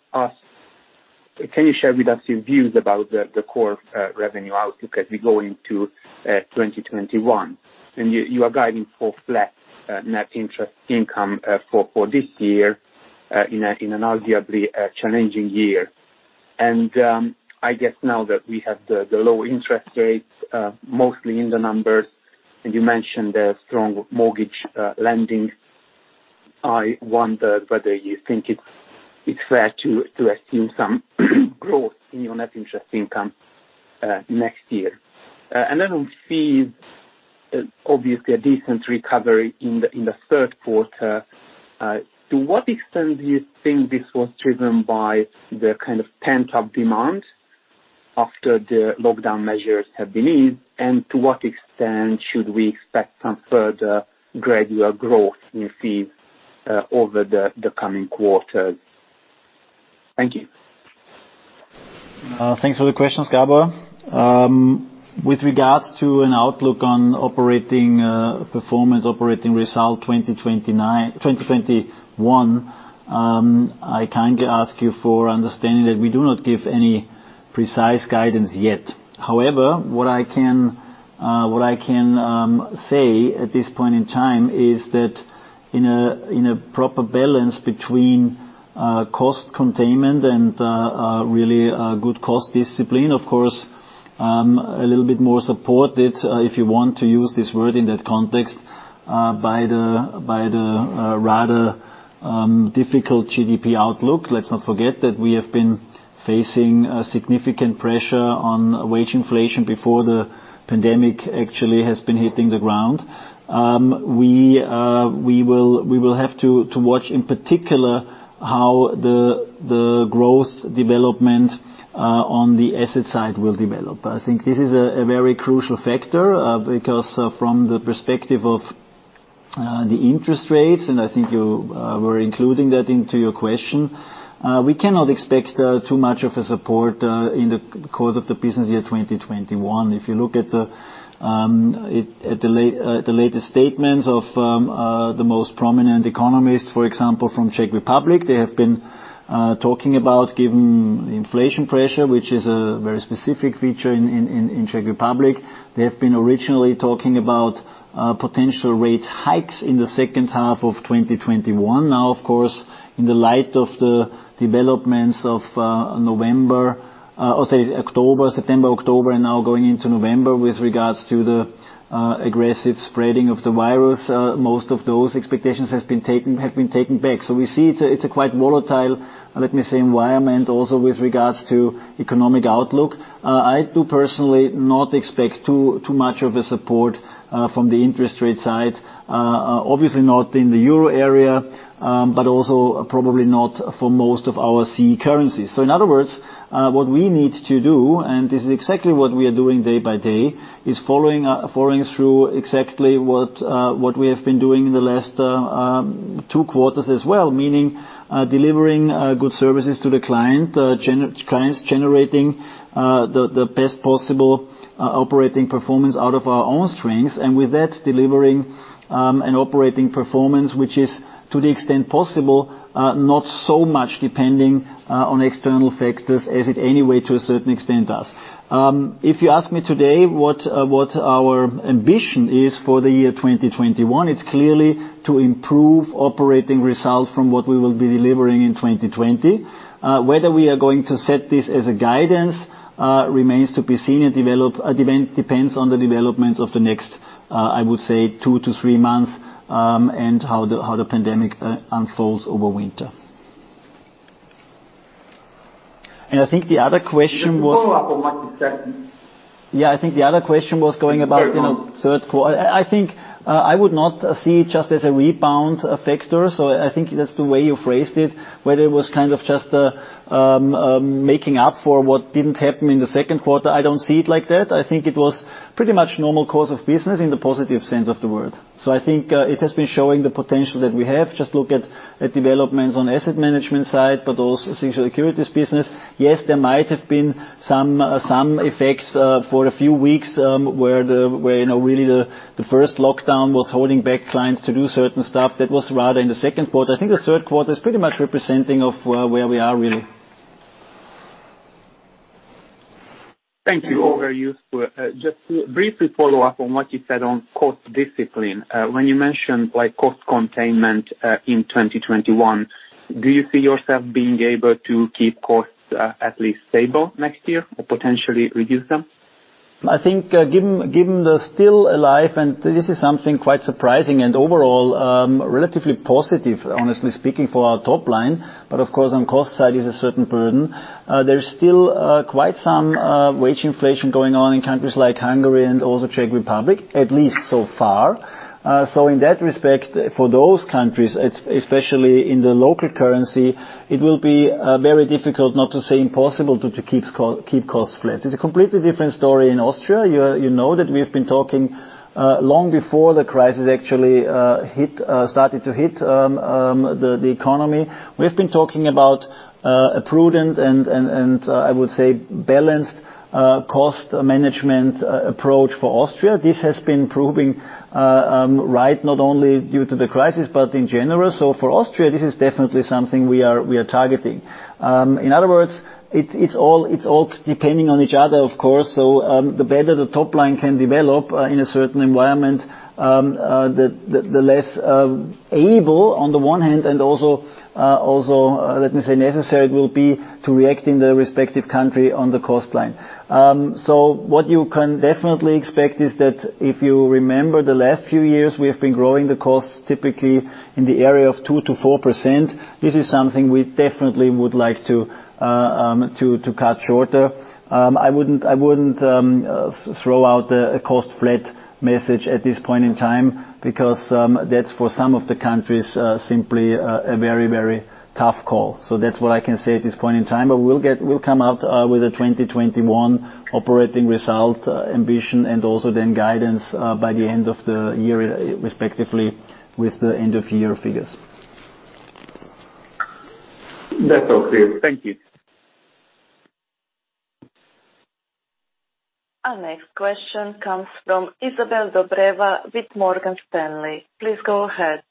with us your views about the core revenue outlook as we go into 2021? You are guiding for flat net interest income for this year in an arguably challenging year. I guess now that we have the low interest rates, mostly in the numbers, and you mentioned the strong mortgage lending, I wonder whether you think it's fair to assume some growth in your net interest income next year. Then we see, obviously, a decent recovery in the third quarter. To what extent do you think this was driven by the kind of pent-up demand, after the lockdown measures have been eased, and to what extent should we expect some further gradual growth in fees over the coming quarters? Thank you. Thanks for the question, Gabor. With regards to an outlook on operating performance, operating result 2021, I kindly ask you for understanding that we do not give any precise guidance yet. What I can say at this point in time is that in a proper balance between cost containment and really good cost discipline, of course, a little bit more supported, if you want to use this word in that context, by the rather difficult GDP outlook. Let's not forget that we have been facing a significant pressure on wage inflation before the pandemic actually has been hitting the ground. We will have to watch in particular how the growth development on the asset side will develop. I think this is a very crucial factor, because from the perspective of the interest rates, and I think you were including that into your question, we cannot expect too much of a support in the course of the business year 2021. If you look at the latest statements of the most prominent economists, for example, from Czech Republic, they have been talking about given inflation pressure, which is a very specific feature in Czech Republic. They have been originally talking about potential rate hikes in the second half of 2021. Now, of course, in the light of the developments of October, September, October, and now going into November with regards to the aggressive spreading of the virus, most of those expectations have been taken back. We see it's a quite volatile, let me say, environment also with regards to economic outlook. I do personally not expect too much of a support from the interest rate side. Obviously not in the Euro area, but also probably not for most of our CEE currencies. In other words, what we need to do, and this is exactly what we are doing day by day, is following through exactly what we have been doing in the last two quarters as well. Meaning delivering good services to the clients, generating the best possible operating performance out of our own strengths, and with that, delivering an operating performance which is, to the extent possible, not so much depending on external factors as it any way to a certain extent does. If you ask me today what our ambition is for the year 2021, it's clearly to improve operating results from what we will be delivering in 2020. Whether we are going to set this as a guidance remains to be seen, and depends on the developments of the next, I would say two to three months, and how the pandemic unfolds over winter. I think the other question was. To follow up on what you said. Yeah, I think the other question was going about. The third quarter. Third quarter. I think I would not see it just as a rebound factor. I think that's the way you've phrased it, whether it was kind of just making up for what didn't happen in the second quarter. I don't see it like that. I think it was pretty much normal course of business in the positive sense of the word. I think it has been showing the potential that we have. Just look at developments on asset management side, but also securities services business. Yes, there might have been some effects for a few weeks, where really the first lockdown was holding back clients to do certain stuff that was rather in the second quarter. I think the third quarter is pretty much representing of where we are, really. Thank you. All very useful. Just to briefly follow up on what you said on cost discipline. When you mentioned cost containment in 2021, do you see yourself being able to keep costs at least stable next year or potentially reduce them? I think given the still alive, and this is something quite surprising and overall, relatively positive, honestly speaking for our top line, but of course on cost side is a certain burden. There's still quite some wage inflation going on in countries like Hungary and also Czech Republic, at least so far. In that respect, for those countries, especially in the local currency, it will be very difficult, not to say impossible to keep costs flat. It's a completely different story in Austria. You know that we have been talking, long before the crisis actually started to hit the economy. We've been talking about a prudent and, I would say balanced cost management approach for Austria. This has been proving right, not only due to the crisis, but in general. For Austria, this is definitely something we are targeting. In other words, it's all depending on each other, of course. The better the top line can develop in a certain environment, the less able on the one hand, and also, let me say, necessary it will be to react in the respective country on the cost line. What you can definitely expect is that if you remember the last few years, we have been growing the costs typically in the area of 2%-4%. This is something we definitely would like to cut shorter. I wouldn't throw out a cost flat message at this point in time, because that's for some of the countries, simply a very, very tough call. That's what I can say at this point in time, but we'll come out with a 2021 operating result ambition and also then guidance by the end of the year, respectively, with the end of year figures. That's all clear. Thank you. Our next question comes from Izabel Dobrova with Morgan Stanley. Please go ahead.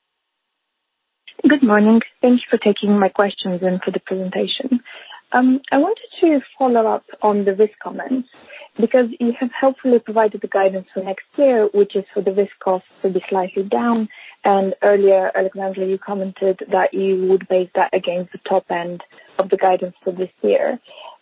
Good morning. Thanks for taking my questions and for the presentation. I wanted to follow up on the risk comments, because you have helpfully provided the guidance for next year, which is for the risk cost to be slightly down, and earlier, Alexandra, you commented that you would base that against the top end of the guidance for this year.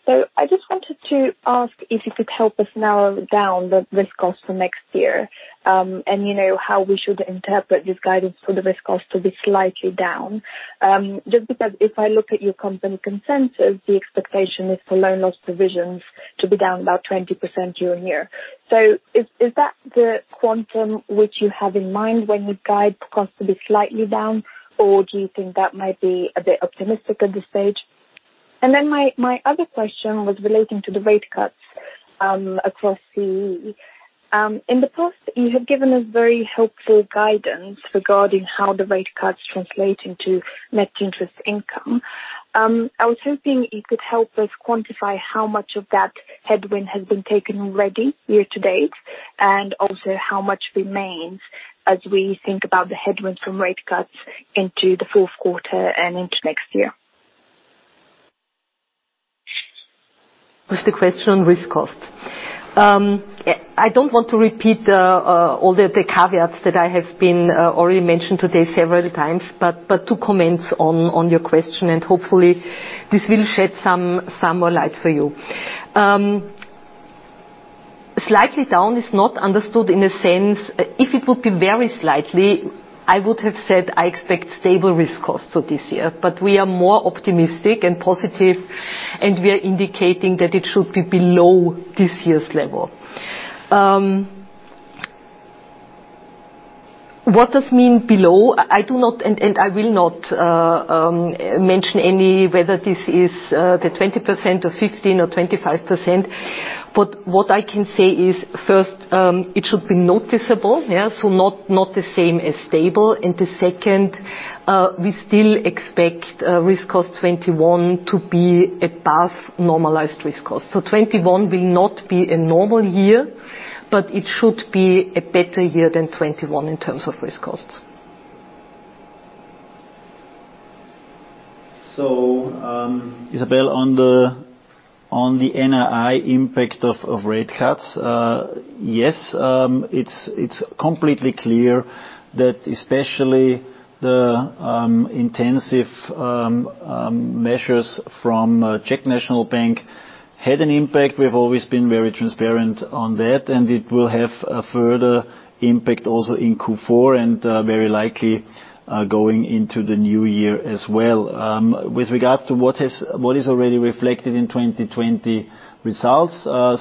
I just wanted to ask if you could help us narrow down the risk cost for next year, and how we should interpret this guidance for the risk cost to be slightly down. Just because if I look at your company consensus, the expectation is for loan loss provisions to be down about 20% year-on-year. Is that the quantum which you have in mind when you guide the cost to be slightly down, or do you think that might be a bit optimistic at this stage? My other question was relating to the rate cuts across CEE. In the past, you have given us very helpful guidance regarding how the rate cuts translate into net interest income. I was hoping you could help us quantify how much of that headwind has been taken already year to date, and also how much remains as we think about the headwinds from rate cuts into the fourth quarter and into next year. First question on risk costs. I don't want to repeat all the caveats that I have already mentioned today several times, but to comment on your question, and hopefully this will shed some more light for you. Slightly down is not understood in a sense. If it would be very slightly, I would have said I expect stable risk costs for this year, but we are more optimistic and positive, and we are indicating that it should be below this year's level. What does it mean below? I do not, and I will not mention whether this is the 20% or 15% or 25%, but what I can say is, first, it should be noticeable. Not the same as stable. The second, we still expect risk costs 2021 to be above normalized risk costs. 2021 will not be a normal year, but it should be a better year than 2021 in terms of risk costs. Izabel, on the NII impact of rate cuts. It's completely clear that especially the intensive measures from Czech National Bank had an impact. We've always been very transparent on that. It will have a further impact also in Q4, and very likely going into the new year as well. With regards to what is already reflected in 2020 results,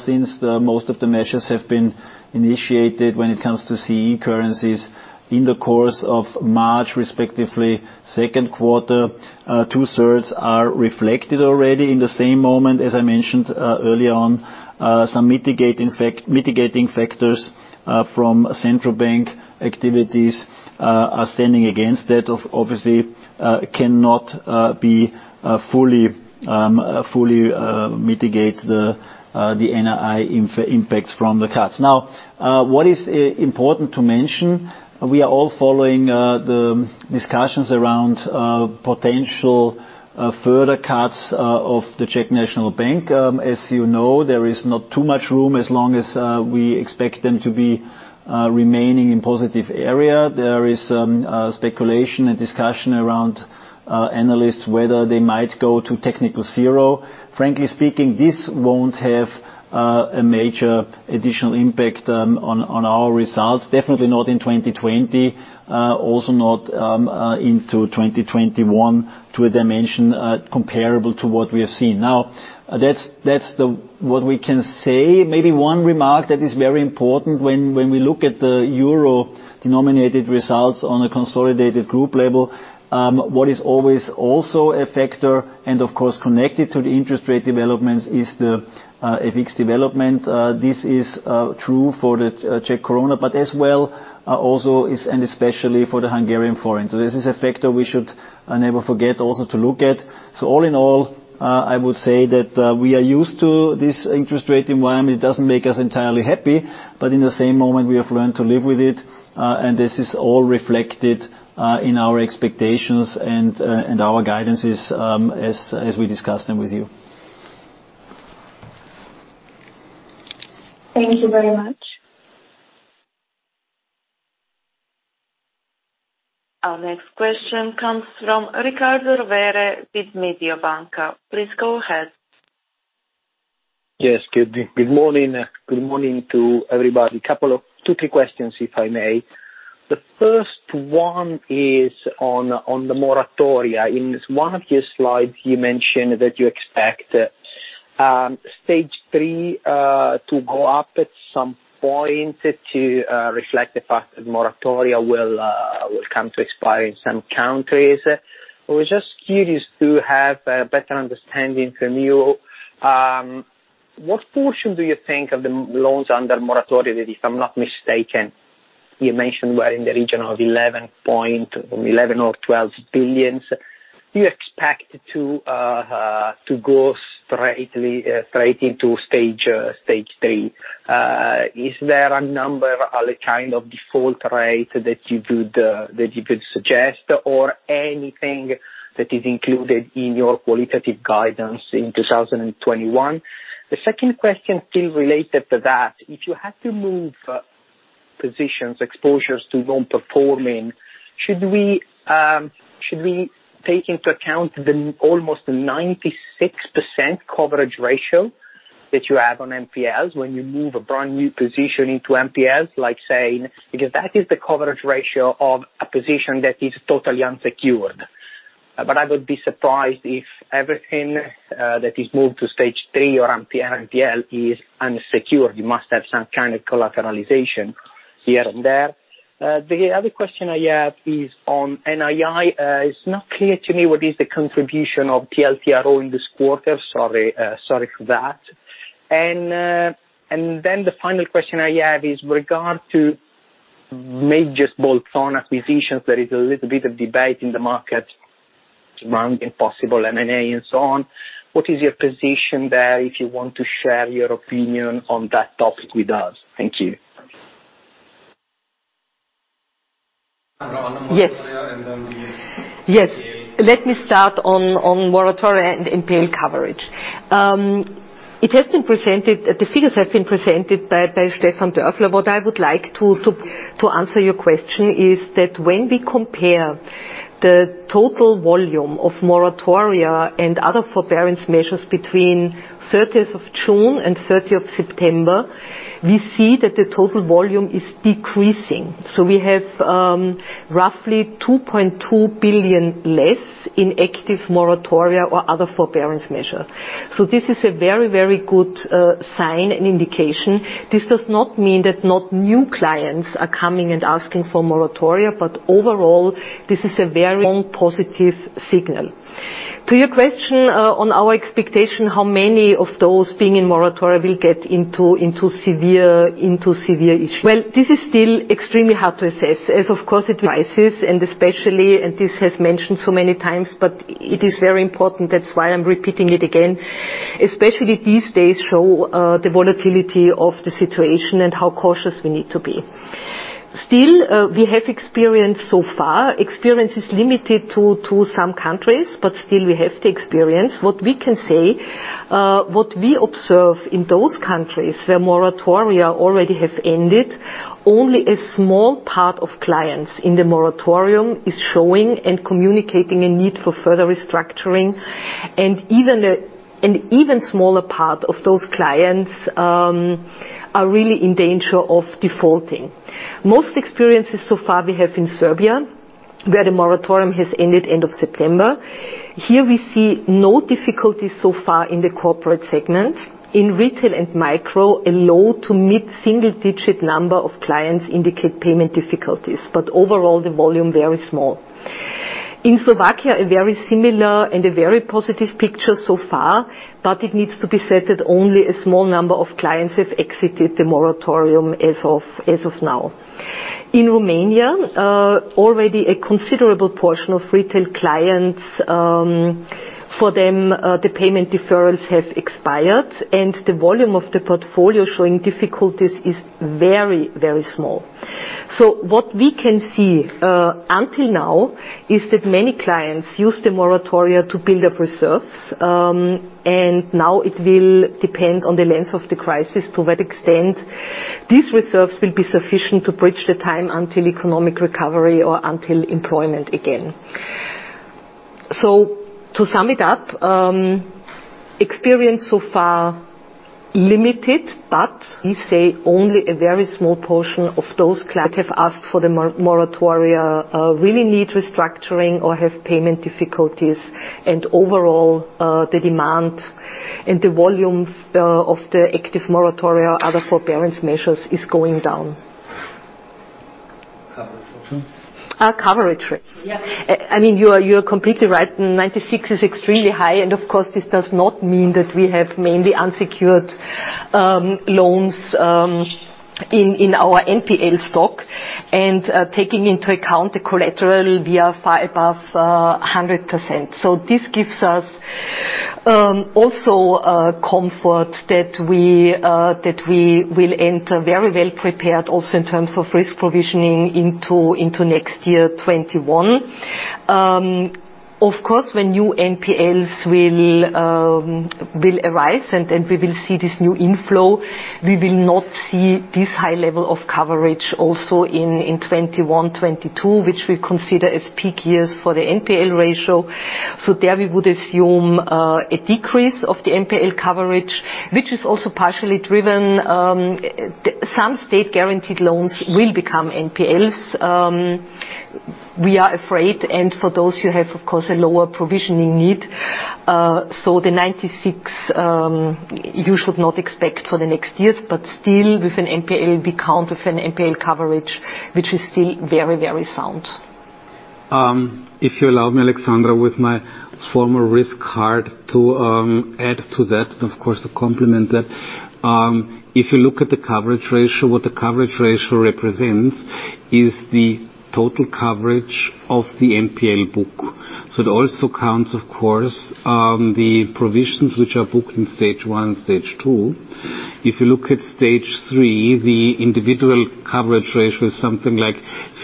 since most of the measures have been initiated when it comes to CEE currencies in the course of March, respectively, second quarter, 2/3 are reflected already. In the same moment, as I mentioned earlier on, some mitigating factors from central bank activities are standing against that. Cannot be fully mitigate the NII impacts from the cuts. What is important to mention, we are all following the discussions around potential further cuts of the Czech National Bank. As you know, there is not too much room as long as we expect them to be remaining in positive area. There is speculation and discussion around analysts, whether they might go to technical zero. Frankly speaking, this won't have a major additional impact on our results, definitely not in 2020, also not into 2021 to a dimension comparable to what we have seen. Now, that's what we can say. Maybe one remark that is very important when we look at the euro-denominated results on a consolidated group level, what is always also a factor, and of course, connected to the interest rate developments, is the FX development. This is true for the Czech koruna, but as well, also and especially for the Hungarian forint. This is a factor we should never forget also to look at. All in all, I would say that we are used to this interest rate environment. It doesn't make us entirely happy, but in the same moment, we have learned to live with it, and this is all reflected in our expectations and our guidances as we discuss them with you. Thank you very much. Our next question comes from Riccardo Rovere with Mediobanca. Please go ahead. Yes. Good morning to everybody. Two, three questions, if I may. The first one is on the moratoria. In one of your slides, you mentioned that you expect Stage 3 to go up at some point to reflect the fact that moratoria will come to expire in some countries. I was just curious to have a better understanding from you. What portion do you think of the loans under moratoria, if I'm not mistaken. You mentioned we're in the region of 11 or 12 billions. Do you expect to go straight into Stage 3? Is there a number or a kind of default rate that you could suggest or anything that is included in your qualitative guidance in 2021? The second question still related to that, if you had to move positions, exposures to non-performing, should we take into account the almost 96% coverage ratio that you have on NPLs when you move a brand-new position into NPLs, like saying, because that is the coverage ratio of a position that is totally unsecured. I would be surprised if everything that is moved to Stage 3 or NPL is unsecured. You must have some kind of collateralization here and there. The other question I have is on NII. It's not clear to me what is the contribution of TLTRO in this quarter. Sorry for that. The final question I have is regard to major bolt-on acquisitions. There is a little bit of debate in the market around possible M&A and so on. What is your position there, if you want to share your opinion on that topic with us? Thank you. Yes. Let me start on moratoria and NPL coverage. The figures have been presented by Stefan Dörfler. What I would like to answer your question is that when we compare the total volume of moratoria and other forbearance measures between 30th of June and 30th of September, we see that the total volume is decreasing. We have roughly 2.2 billion less in active moratoria or other forbearance measure. This is a very good sign and indication. This does not mean that not new clients are coming and asking for moratoria, but overall, this is a very positive signal. To your question on our expectation, how many of those being in moratoria will get into severe issue? Well, this is still extremely hard to assess as, of course, it rises, and especially, and this has mentioned so many times, but it is very important, that's why I'm repeating it again, especially these days show the volatility of the situation and how cautious we need to be. Still, we have experience so far. Experience is limited to some countries, but still we have the experience. What we can say, what we observe in those countries where moratoria already have ended, only a small part of clients in the moratorium is showing and communicating a need for further restructuring, and even smaller part of those clients are really in danger of defaulting. Most experiences so far we have in Serbia, where the moratorium has ended end of September. Here we see no difficulties so far in the corporate segment. In retail and micro, a low to mid-single digit number of clients indicate payment difficulties, overall, the volume very small. In Slovakia, a very similar and a very positive picture so far, it needs to be said that only a small number of clients have exited the moratorium as of now. In Romania, already a considerable portion of retail clients, for them, the payment deferrals have expired and the volume of the portfolio showing difficulties is very small. What we can see until now is that many clients use the moratoria to build up reserves, now it will depend on the length of the crisis to what extent these reserves will be sufficient to bridge the time until economic recovery or until employment again. To sum it up, experience so far limited, but we say only a very small portion of those clients have asked for the moratoria really need restructuring or have payment difficulties. Overall, the demand and the volume of the active moratoria or other forbearance measures is going down. Coverage ratio. Coverage ratio. You are completely right. 96 is extremely high, and of course, this does not mean that we have mainly unsecured loans in our NPL stock. Taking into account the collateral, we are far above 100%. This gives us also a comfort that we will enter very well-prepared also in terms of risk provisioning into next year 2021. When new NPLs will arise and we will see this new inflow, we will not see this high level of coverage also in 2021, 2022, which we consider as peak years for the NPL ratio. There we would assume a decrease of the NPL coverage, which is also partially driven. Some state-guaranteed loans will become NPLs, we are afraid. For those you have, of course, a lower provisioning need. The 96 you should not expect for the next years, but still with an NPL count, with an NPL coverage, which is still very sound. If you allow me, Alexandra, with my former risk hat to add to that, of course, to complement that. If you look at the coverage ratio, what the coverage ratio represents is the total coverage of the NPL book. It also counts, of course, the provisions which are booked in Stage 1, Stage 2. If you look at Stage 3, the individual coverage ratio is something like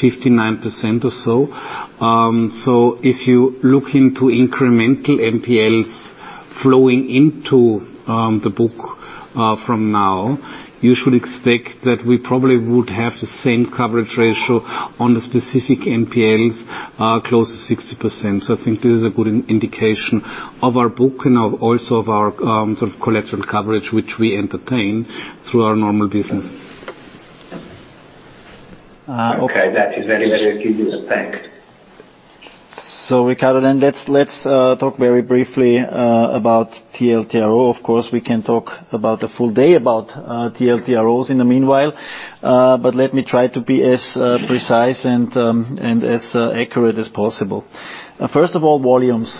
59% or so. If you look into incremental NPLs flowing into the book from now, you should expect that we probably would have the same coverage ratio on the specific NPLs, close to 60%. I think this is a good indication of our book and also of our sort of collateral coverage, which we entertain through our normal business. Okay. That is very clear. Thank you. Riccardo, let's talk very briefly about TLTRO. Of course, we can talk about a full day about TLTROs in the meanwhile, but let me try to be as precise and as accurate as possible. First of all, volumes,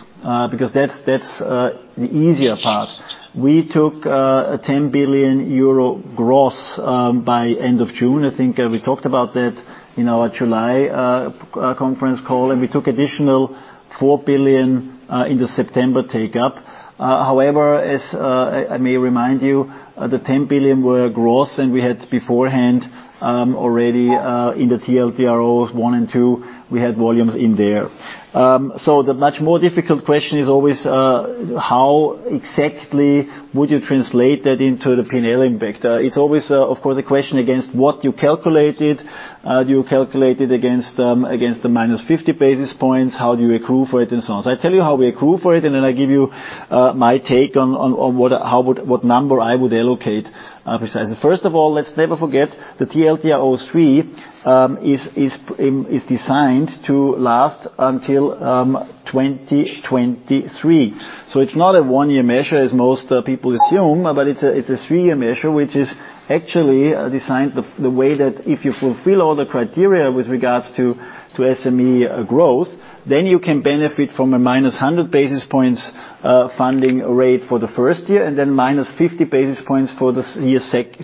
because that's the easier part. We took a 10 billion euro gross by end of June. I think we talked about that in our July conference call, and we took additional 4 billion in the September take up. However, as I may remind you, the 10 billion were gross and we had beforehand, already, in the TLTROs 1 and 2, we had volumes in there. The much more difficult question is always, how exactly would you translate that into the PNL impact? It's always, of course, a question against what you calculated. Do you calculate it against the minus 50 basis points? How do you accrue for it and so on. I tell you how we accrue for it, and then I give you my take on what number I would allocate precisely. First of all, let's never forget that TLTRO III is designed to last until 2023. It's not a one-year measure as most people assume, but it's a three-year measure, which is actually designed the way that if you fulfill all the criteria with regards to SME growth, then you can benefit from a minus 100 basis points funding rate for the first year, and then minus 50 basis points for the year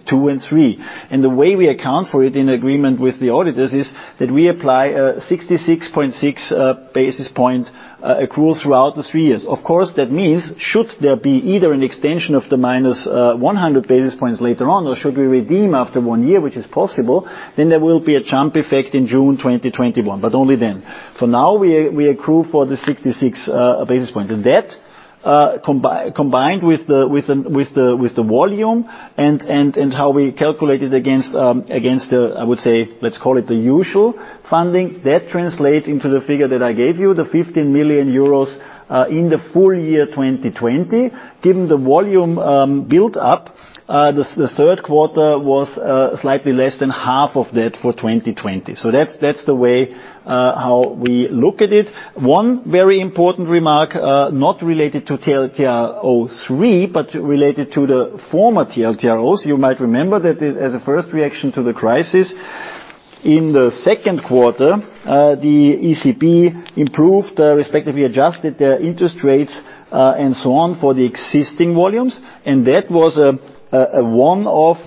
two and three. The way we account for it in agreement with the auditors is that we apply a 66.6 basis point accrual throughout the three years. Of course, that means should there be either an extension of the minus 100 basis points later on or should we redeem after one year, which is possible, then there will be a jump effect in June 2021, only then. For now, we accrue for the 66 basis points. That, combined with the volume and how we calculate it against the, I would say, let's call it the usual funding. That translates into the figure that I gave you, the 15 million euros in the full year 2020. Given the volume built up, the third quarter was slightly less than half of that for 2020. That's the way how we look at it. One very important remark, not related to TLTRO III, but related to the former TLTROs. You might remember that as a first reaction to the crisis, in the second quarter, the ECB improved, respectively adjusted their interest rates, and so on, for the existing volumes. That was a one-off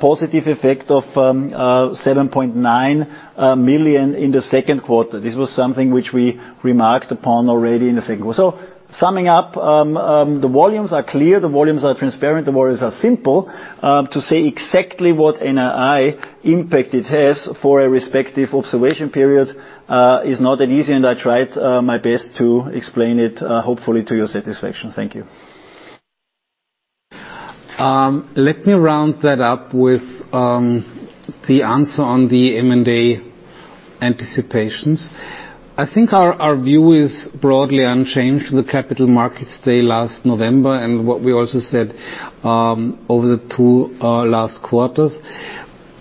positive effect of 7.9 million in the second quarter. This was something which we remarked upon already in the second quarter. Summing up, the volumes are clear, the volumes are transparent, the volumes are simple. To say exactly what NII impact it has for a respective observation period is not that easy, and I tried my best to explain it, hopefully to your satisfaction. Thank you. Let me round that up with the answer on the M&A anticipations. I think our view is broadly unchanged. The Capital Markets Day last November, and what we also said over the two last quarters,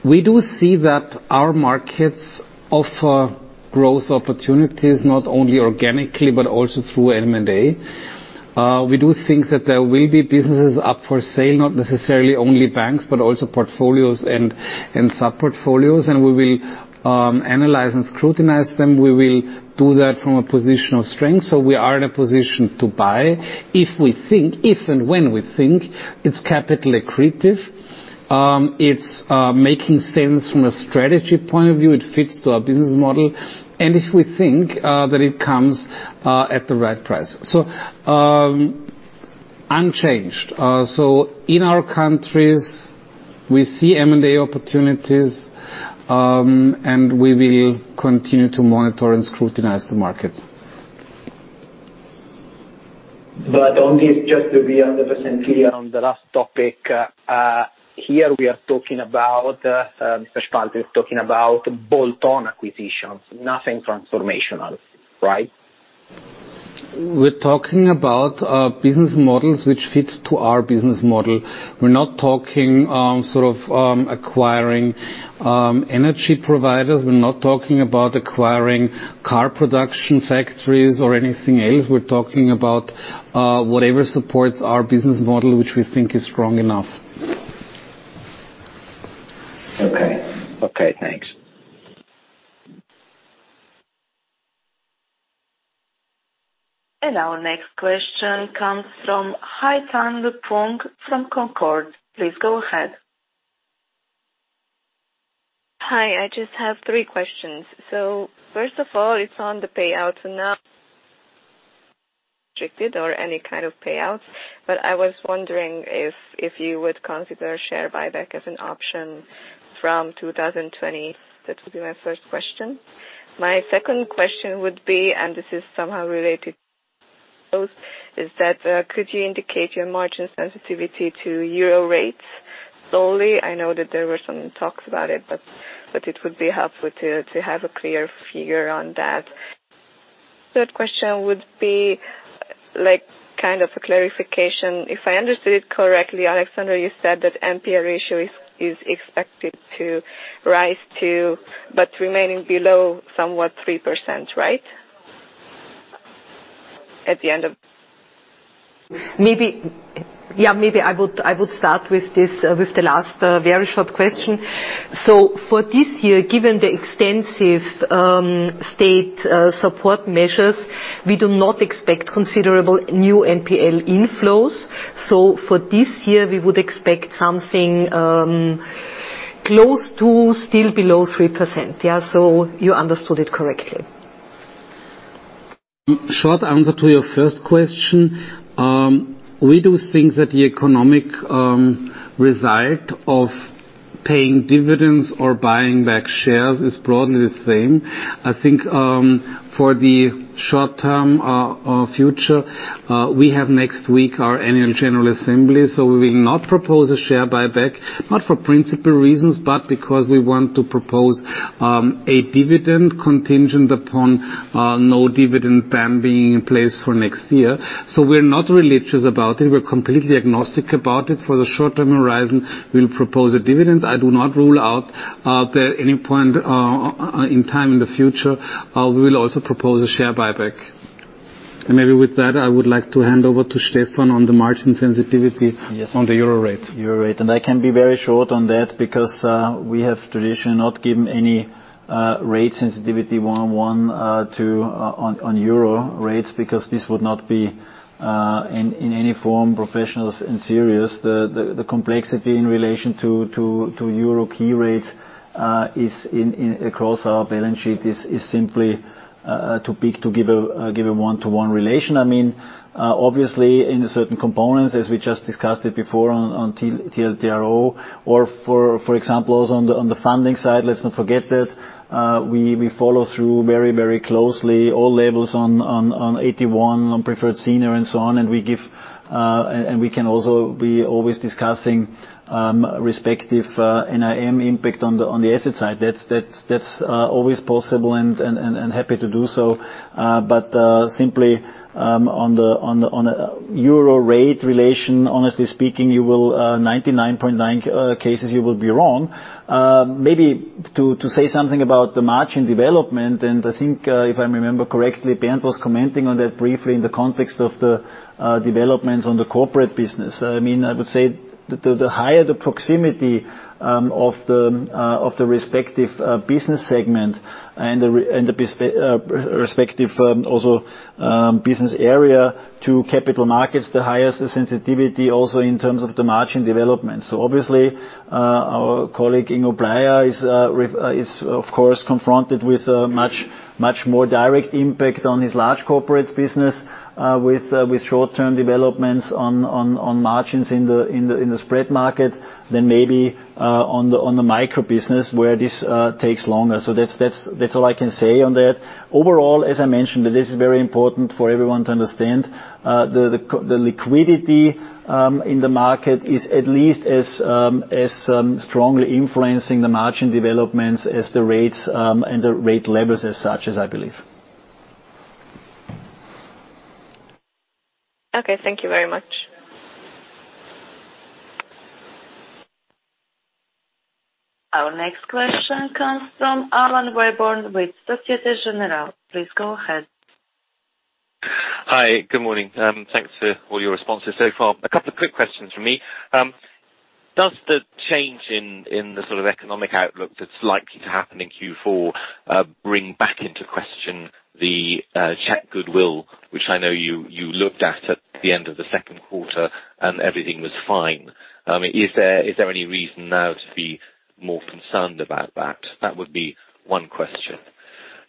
we do see that our markets offer growth opportunities, not only organically, but also through M&A. We do think that there will be businesses up for sale, not necessarily only banks, but also portfolios and sub-portfolios, and we will analyze and scrutinize them. We will do that from a position of strength. We are in a position to buy if and when we think it's capital accretive, it's making sense from a strategy point of view, it fits to our business model, and if we think that it comes at the right price. Unchanged. In our countries, we see M&A opportunities, and we will continue to monitor and scrutinize the markets. Only just to be 100% clear on the last topic. Here, Bernd Spalt is talking about bolt-on acquisitions, nothing transformational, right? We're talking about business models which fit to our business model. We're not talking sort of acquiring energy providers. We're not talking about acquiring car production factories or anything else. We're talking about whatever supports our business model, which we think is strong enough. Okay. Okay, thanks. Our next question comes from Haitong Peng from Concord. Please go ahead. Hi. I just have three questions. First of all, it's on the payouts, restricted or any kind of payouts, but I was wondering if you would consider share buyback as an option from 2020. That would be my first question. My second question would be, and this is somehow related is that, could you indicate your margin sensitivity to euro rates low? I know that there were some talks about it, but it would be helpful to have a clear figure on that. Third question would be kind of a clarification. If I understood it correctly, Alexandra, you said that NPL ratio is expected to rise too, but remaining below somewhat 3%, right? Maybe, yeah. Maybe I would start with the last very short question. For this year, given the extensive state support measures, we do not expect considerable new NPL inflows. For this year, we would expect something close to still below 3%. Yeah, you understood it correctly. Short answer to your first question. We do think that the economic result of paying dividends or buying back shares is broadly the same. I think, for the short term or future, we have next week our annual general assembly, so we will not propose a share buyback, not for principal reasons, but because we want to propose a dividend contingent upon no dividend ban being in place for next year. We're not religious about it. We're completely agnostic about it for the short-term horizon, we'll propose a dividend. I do not rule out that any point in time in the future, we will also propose a share buyback. Maybe with that, I would like to hand over to Stefan on the margin sensitivity- Yes. -on the euro rate. Euro rate. I can be very short on that because we have traditionally not given any rate sensitivity one-on-one on euro rates, because this would not be in any form professional and serious. The complexity in relation to euro key rates across our balance sheet is simply too big to give a one-to-one relation. Obviously, in certain components, as we just discussed it before on TLTRO or for example, also on the funding side, let's not forget that we follow through very closely all labels on AT1, on preferred senior and so on. We can also be always discussing respective NIM impact on the asset side. That's always possible and happy to do so. Simply on a euro rate relation, honestly speaking, 99.9 cases you will be wrong. Maybe to say something about the margin development, and I think if I remember correctly, Bernd was commenting on that briefly in the context of the developments on the corporate business. I would say the higher the proximity of the respective business segment and the respective business area to capital markets, the higher the sensitivity also in terms of the margin development. Obviously, our colleague Ingo Bleier is of course confronted with a much more direct impact on his large corporates business with short-term developments on margins in the spread market than maybe on the micro business where this takes longer. That's all I can say on that. Overall, as I mentioned, this is very important for everyone to understand, the liquidity in the market is at least as strongly influencing the margin developments as the rates and the rate levels as such as I believe. Okay. Thank you very much. Our next question comes from Alan Webborn with Societe Generale. Please go ahead. Hi. Good morning. Thanks for all your responses so far. A couple of quick questions from me. Does the change in the sort of economic outlook that's likely to happen in Q4 bring back into question the Czech goodwill, which I know you looked at at the end of the second quarter, and everything was fine? Is there any reason now to be more concerned about that? That would be one question.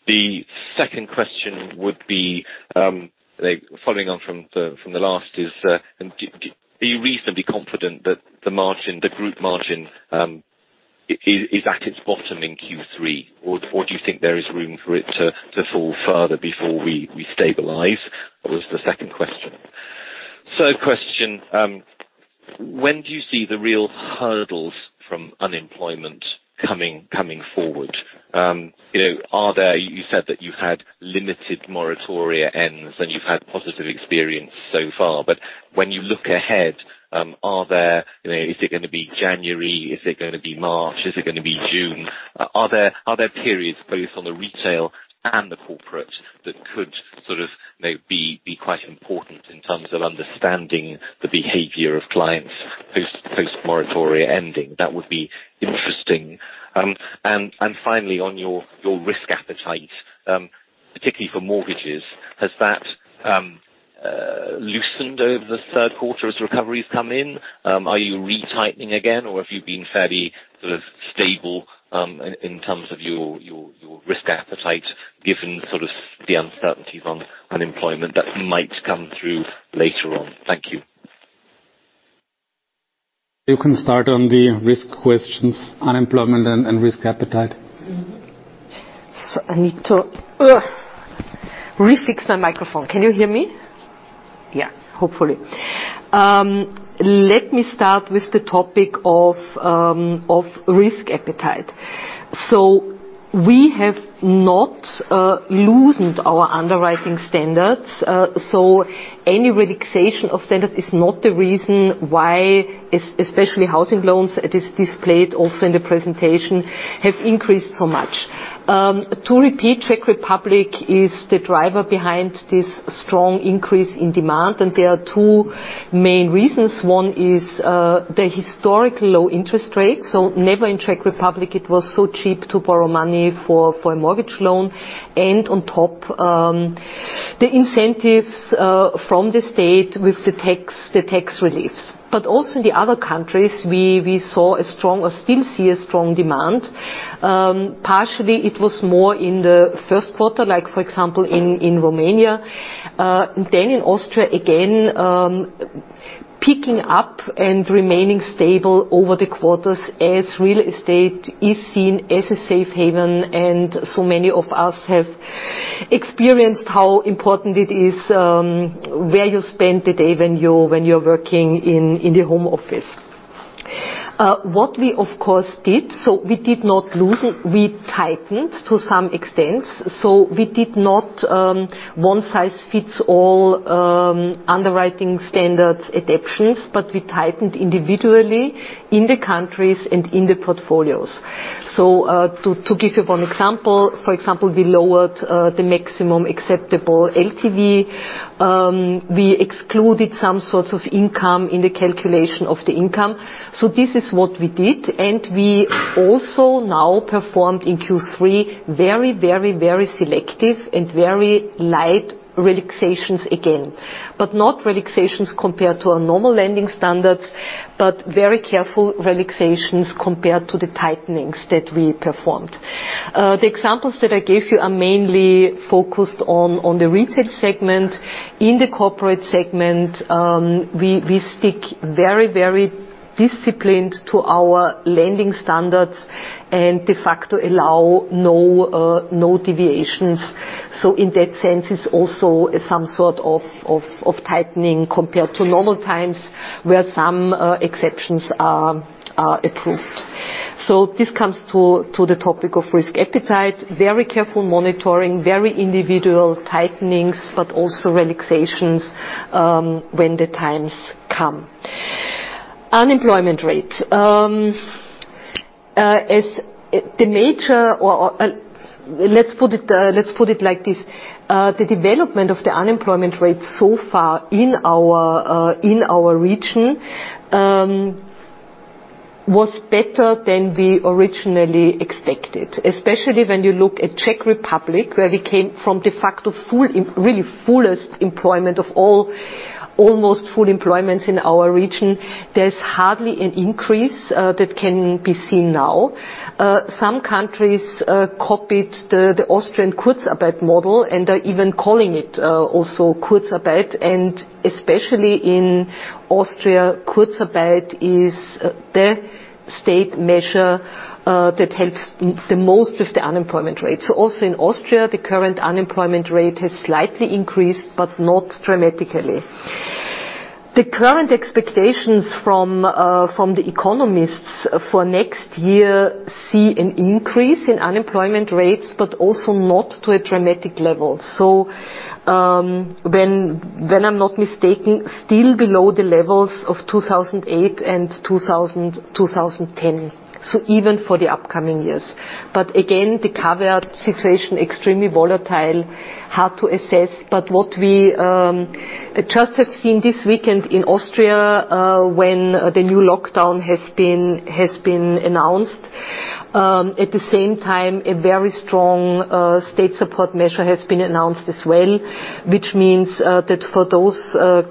The second question would be, following on from the last is, are you reasonably confident that the group margin is at its bottom in Q3? Do you think there is room for it to fall further before we stabilize? Was the second question. Third question, when do you see the real hurdles from unemployment coming forward? You said that you had limited moratoria ends, you've had positive experience so far. When you look ahead, is it going to be January? Is it going to be March? Is it going to be June? Are there periods both on the retail and the corporate that could sort of maybe be quite important in terms of understanding the behavior of clients? Moratoria ending. That would be interesting. Finally, on your risk appetite, particularly for mortgages, has that loosened over the third quarter as recoveries come in? Are you retightening again, or have you been fairly stable in terms of your risk appetite given the uncertainties on unemployment that might come through later on? Thank you. You can start on the risk questions, unemployment and risk appetite. I need to refix my microphone. Can you hear me? Hopefully. Let me start with the topic of risk appetite. We have not loosened our underwriting standards, so any relaxation of standards is not the reason why, especially housing loans, it is displayed also in the presentation, have increased so much. To repeat, Czech Republic is the driver behind this strong increase in demand, and there are two main reasons. One is the historic low interest rates. Never in Czech Republic it was so cheap to borrow money for a mortgage loan. On top, the incentives from the state with the tax reliefs. Also in the other countries, we still see a strong demand. Partially it was more in the first quarter, like for example, in Romania. In Austria again, picking up and remaining stable over the quarters as real estate is seen as a safe haven, and so many of us have experienced how important it is where you spend the day when you're working in the home office. What we of course did, so we did not loosen, we tightened to some extent. We did not one-size-fits-all underwriting standards adaptations, but we tightened individually in the countries and in the portfolios. To give you one example, for example, we lowered the maximum acceptable LTV. We excluded some sorts of income in the calculation of the income. This is what we did, and we also now performed in Q3 very selective and very light relaxations again. Not relaxations compared to our normal lending standards, but very careful relaxations compared to the tightenings that we performed. The examples that I gave you are mainly focused on the retail segment. In the corporate segment, we stick very disciplined to our lending standards and de facto allow no deviations. In that sense, it's also some sort of tightening compared to normal times where some exceptions are approved. This comes to the topic of risk appetite. Very careful monitoring, very individual tightenings, but also relaxations when the times come. Unemployment rate. Let's put it like this. The development of the unemployment rate so far in our region was better than we originally expected, especially when you look at Czech Republic, where we came from de facto really fullest employment of almost full employments in our region. There's hardly an increase that can be seen now. Some countries copied the Austrian Kurzarbeit model, and are even calling it also Kurzarbeit, and especially in Austria, Kurzarbeit is the state measure that helps the most with the unemployment rate. Also in Austria, the current unemployment rate has slightly increased but not dramatically. The current expectations from the economists for next year see an increase in unemployment rates, but also not to a dramatic level. When I'm not mistaken, still below the levels of 2008 and 2010. Even for the upcoming years. Again, the COVID situation extremely volatile, hard to assess, but what we just have seen this weekend in Austria when the new lockdown has been announced. At the same time, a very strong state support measure has been announced as well, which means that for those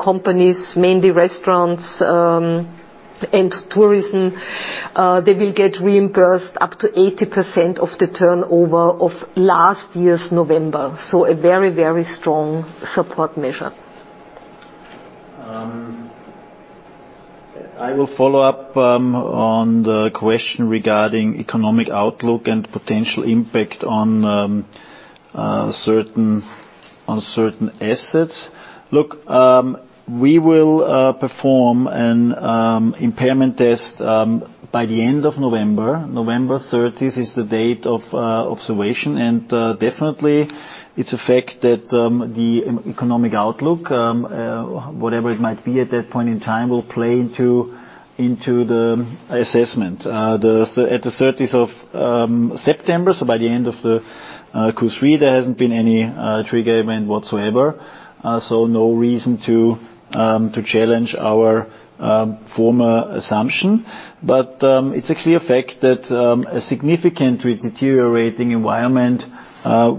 companies, mainly restaurants and tourism, they will get reimbursed up to 80% of the turnover of last year's November. A very strong support measure. I will follow up on the question regarding economic outlook and potential impact on certain assets. Look, we will perform an impairment test by the end of November. November 30th is the date of observation, and definitely it's a fact that the economic outlook, whatever it might be at that point in time, will play into the assessment. At the 30th of September, so by the end of the Q3, there hasn't been any trigger event whatsoever, so no reason to challenge our former assumption. It's a clear fact that a significantly deteriorating environment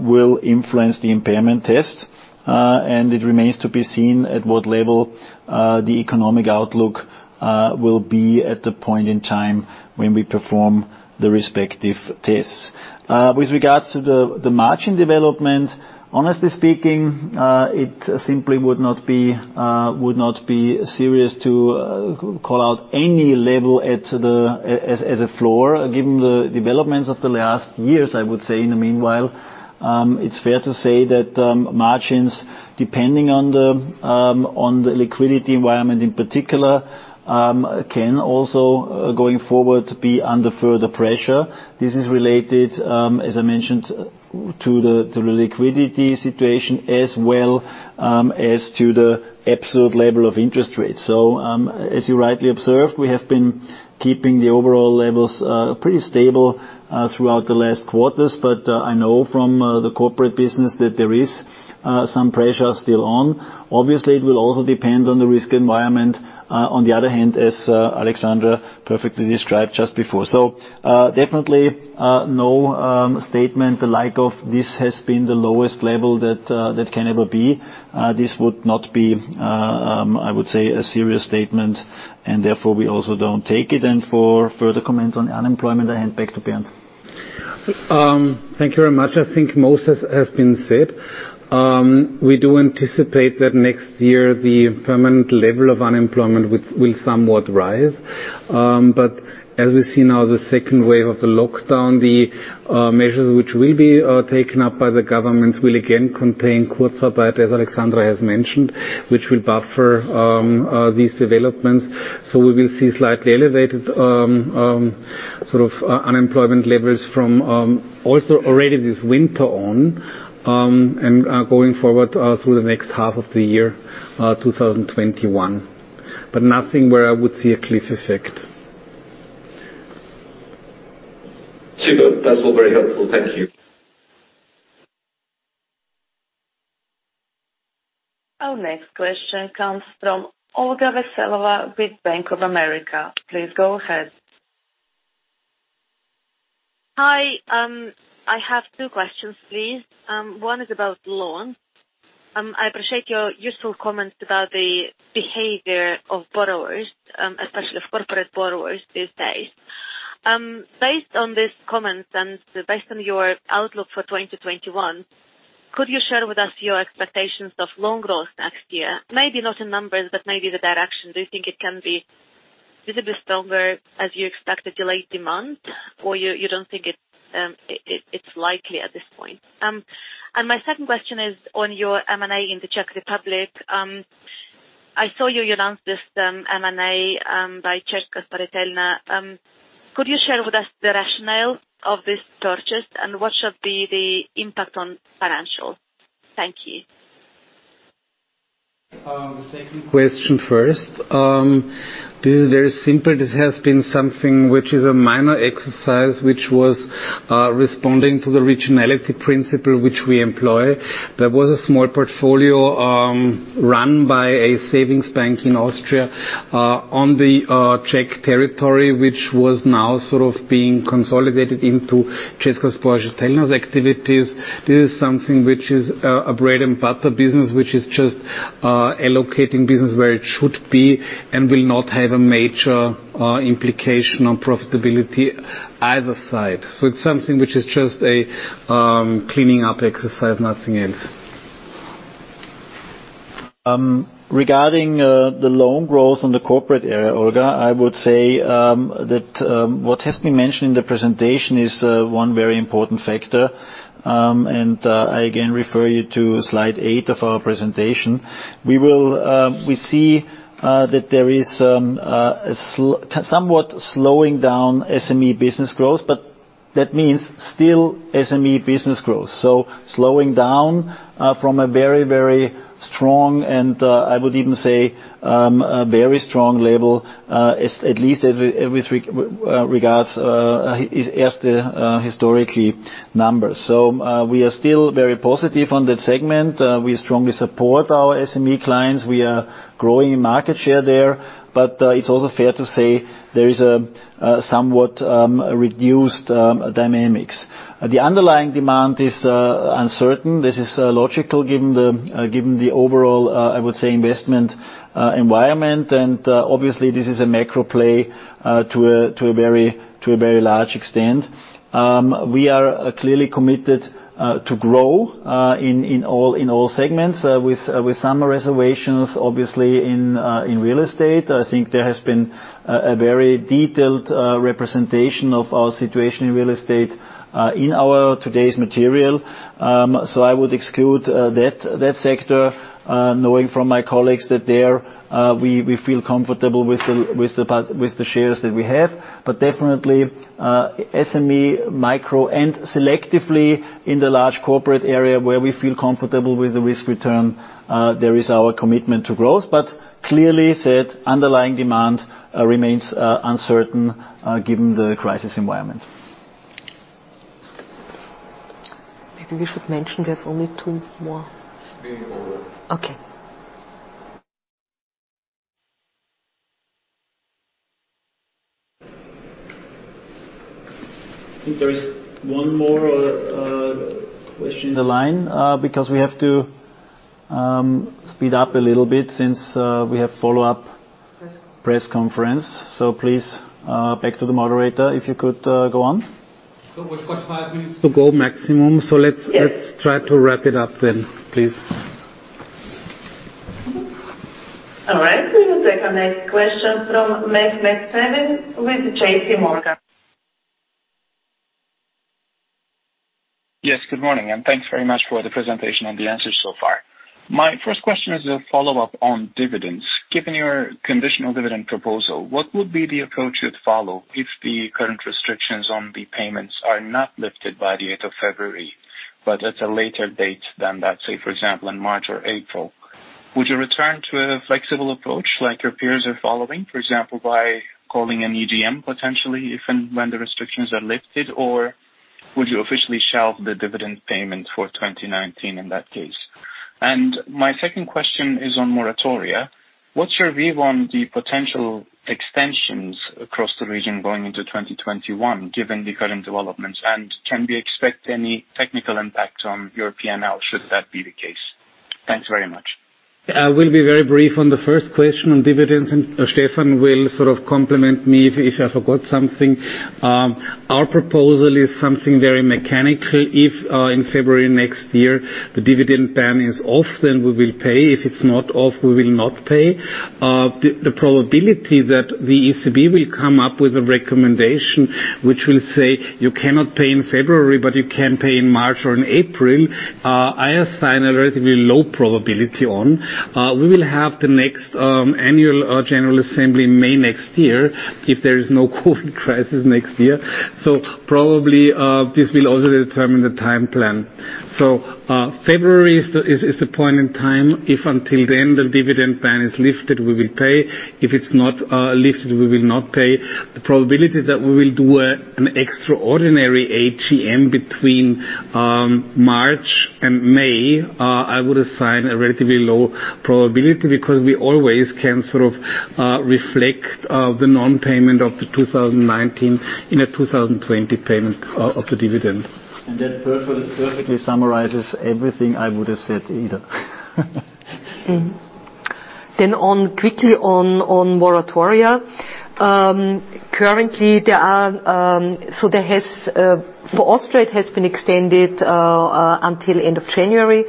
will influence the impairment test, and it remains to be seen at what level the economic outlook will be at the point in time when we perform the respective tests. With regards to the margin development, honestly speaking, it simply would not be serious to call out any level as a floor, given the developments of the last years, I would say in the meanwhile. It's fair to say that margins, depending on the liquidity environment in particular, can also, going forward, be under further pressure. This is related, as I mentioned, to the liquidity situation as well as to the absolute level of interest rates. As you rightly observed, we have been keeping the overall levels pretty stable throughout the last quarters. I know from the corporate business that there is some pressure still on. Obviously, it will also depend on the risk environment, on the other hand, as Alexandra perfectly described just before. Definitely, no statement the like of this has been the lowest level that can ever be. This would not be, I would say, a serious statement, therefore we also don't take it. For further comment on unemployment, I hand back to Bernd. Thank you very much. I think most has been said. We do anticipate that next year the permanent level of unemployment will somewhat rise. As we see now, the second wave of the lockdown, the measures which will be taken up by the governments will again contain Kurzarbeit, as Alexandra has mentioned, which will buffer these developments. We will see slightly elevated unemployment levels from also already this winter on, and going forward through the next half of the year 2021. Nothing where I would see a cliff effect. Super. That's all very helpful. Thank you. Our next question comes from Olga Veselova with Bank of America. Please go ahead. Hi. I have two questions, please. One is about loans. I appreciate your useful comments about the behavior of borrowers, especially of corporate borrowers this day. Based on these comments and based on your outlook for 2021, could you share with us your expectations of loan growth next year? Maybe not in numbers, but maybe the direction. Do you think it can be visibly stronger as you expect a delayed demand, or you don't think it's likely at this point? My second question is on your M&A in the Czech Republic. I saw you announced this M&A by Česká spořitelna. Could you share with us the rationale of this purchase and what should be the impact on financials? Thank you. The second question first. This is very simple. This has been something which is a minor exercise, which was responding to the regionality principle which we employ. There was a small portfolio run by a savings bank in Austria on the Czech territory, which was now being consolidated into Česká spořitelna's activities. This is something which is a bread-and-butter business, which is just allocating business where it should be and will not have a major implication on profitability either side. It's something which is just a cleaning-up exercise, nothing else. Regarding the loan growth on the corporate area, Olga, I would say that what has been mentioned in the presentation is one very important factor. I again refer you to slide eight of our presentation. We see that there is somewhat slowing down SME business growth, but that means still SME business growth. Slowing down from a very strong, and I would even say a very strong level, at least with regards Erste historically numbers. We are still very positive on that segment. We strongly support our SME clients. We are growing market share there. It's also fair to say there is a somewhat reduced dynamics. The underlying demand is uncertain. This is logical given the overall, I would say, investment environment. Obviously, this is a macro play to a very large extent. We are clearly committed to grow in all segments with some reservations, obviously, in real estate. I think there has been a very detailed representation of our situation in real estate in our today's material. I would exclude that sector, knowing from my colleagues that there we feel comfortable with the shares that we have. Definitely SME, micro, and selectively in the large corporate area where we feel comfortable with the risk-return there is our commitment to growth. Clearly said, underlying demand remains uncertain given the crisis environment. Maybe we should mention we have only two more. We're over. Okay I think there is one more question in the line, because we have to speed up a little bit since we have follow-up press conference. Please, back to the moderator, if you could go on. We've got five minutes to go maximum. Yes try to wrap it up then, please. All right. We will take our next question from Máté Nemes with JPMorgan. Yes, good morning, and thanks very much for the presentation and the answers so far. My first question is a follow-up on dividends. Given your conditional dividend proposal, what would be the approach you'd follow if the current restrictions on the payments are not lifted by the eighth of February, but at a later date than that, say, for example, in March or April? Would you return to a flexible approach like your peers are following, for example, by calling an EGM, potentially if and when the restrictions are lifted, or would you officially shelve the dividend payment for 2019 in that case? My second question is on moratoria. What's your view on the potential extensions across the region going into 2021, given the current developments, and can we expect any technical impact on your P&L, should that be the case? Thanks very much. I will be very brief on the first question on dividends, and Stefan will sort of complement me if I forgot something. Our proposal is something very mechanical. If in February next year the dividend ban is off, we will pay. If it's not off, we will not pay. The probability that the ECB will come up with a recommendation which will say, "You cannot pay in February, but you can pay in March or in April," I assign a relatively low probability on. We will have the next Annual General Assembly May next year, if there is no COVID crisis next year. Probably, this will also determine the time plan. February is the point in time. If until then the dividend ban is lifted, we will pay. If it's not lifted, we will not pay. The probability that we will do an extraordinary AGM between March and May, I would assign a relatively low probability because we always can sort of reflect the non-payment of the 2019 in a 2020 payment of the dividend. That perfectly summarizes everything I would've said either. Quickly on moratoria. For Austria, it has been extended until end of January.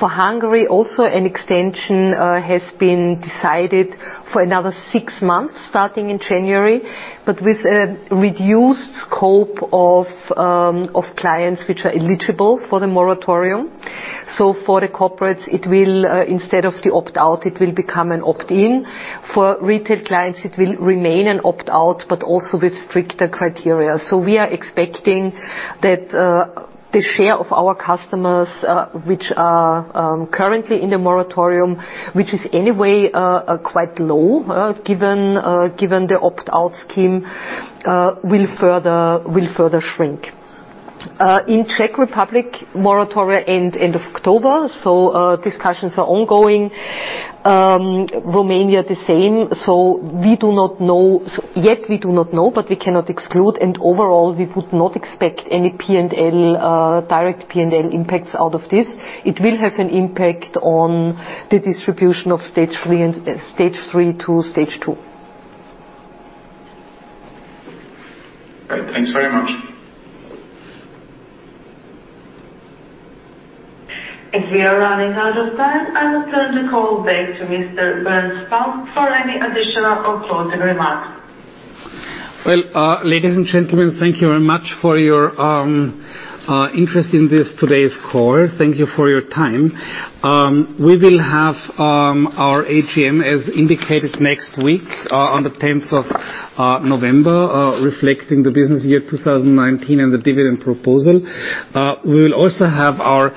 For Hungary, also an extension has been decided for another six months, starting in January, but with a reduced scope of clients which are eligible for the moratorium. For the corporates, instead of the opt-out, it will become an opt-in. For retail clients, it will remain an opt-out, but also with stricter criteria. We are expecting that the share of our customers, which are currently in the moratorium, which is anyway quite low given the opt-out scheme will further shrink. In Czech Republic, moratoria end end of October, discussions are ongoing. Romania, the same. Yet we do not know, but we cannot exclude, and overall, we would not expect any direct PNL impacts out of this. It will have an impact on the distribution of Stage 3 to Stage 2. Right. Thanks very much. As we are running out of time, I will turn the call back to Mr. Bernd Spalt for any additional or closing remarks. Well, ladies and gentlemen, thank you very much for your interest in this today's call. Thank you for your time. We will have our AGM as indicated next week on the 10th of November, reflecting the business year 2019 and the dividend proposal. We will also have our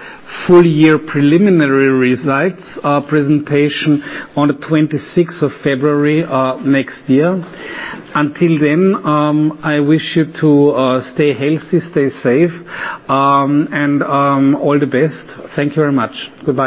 full year preliminary results presentation on the 26th of February next year. Until then, I wish you to stay healthy, stay safe, and all the best. Thank you very much. Goodbye.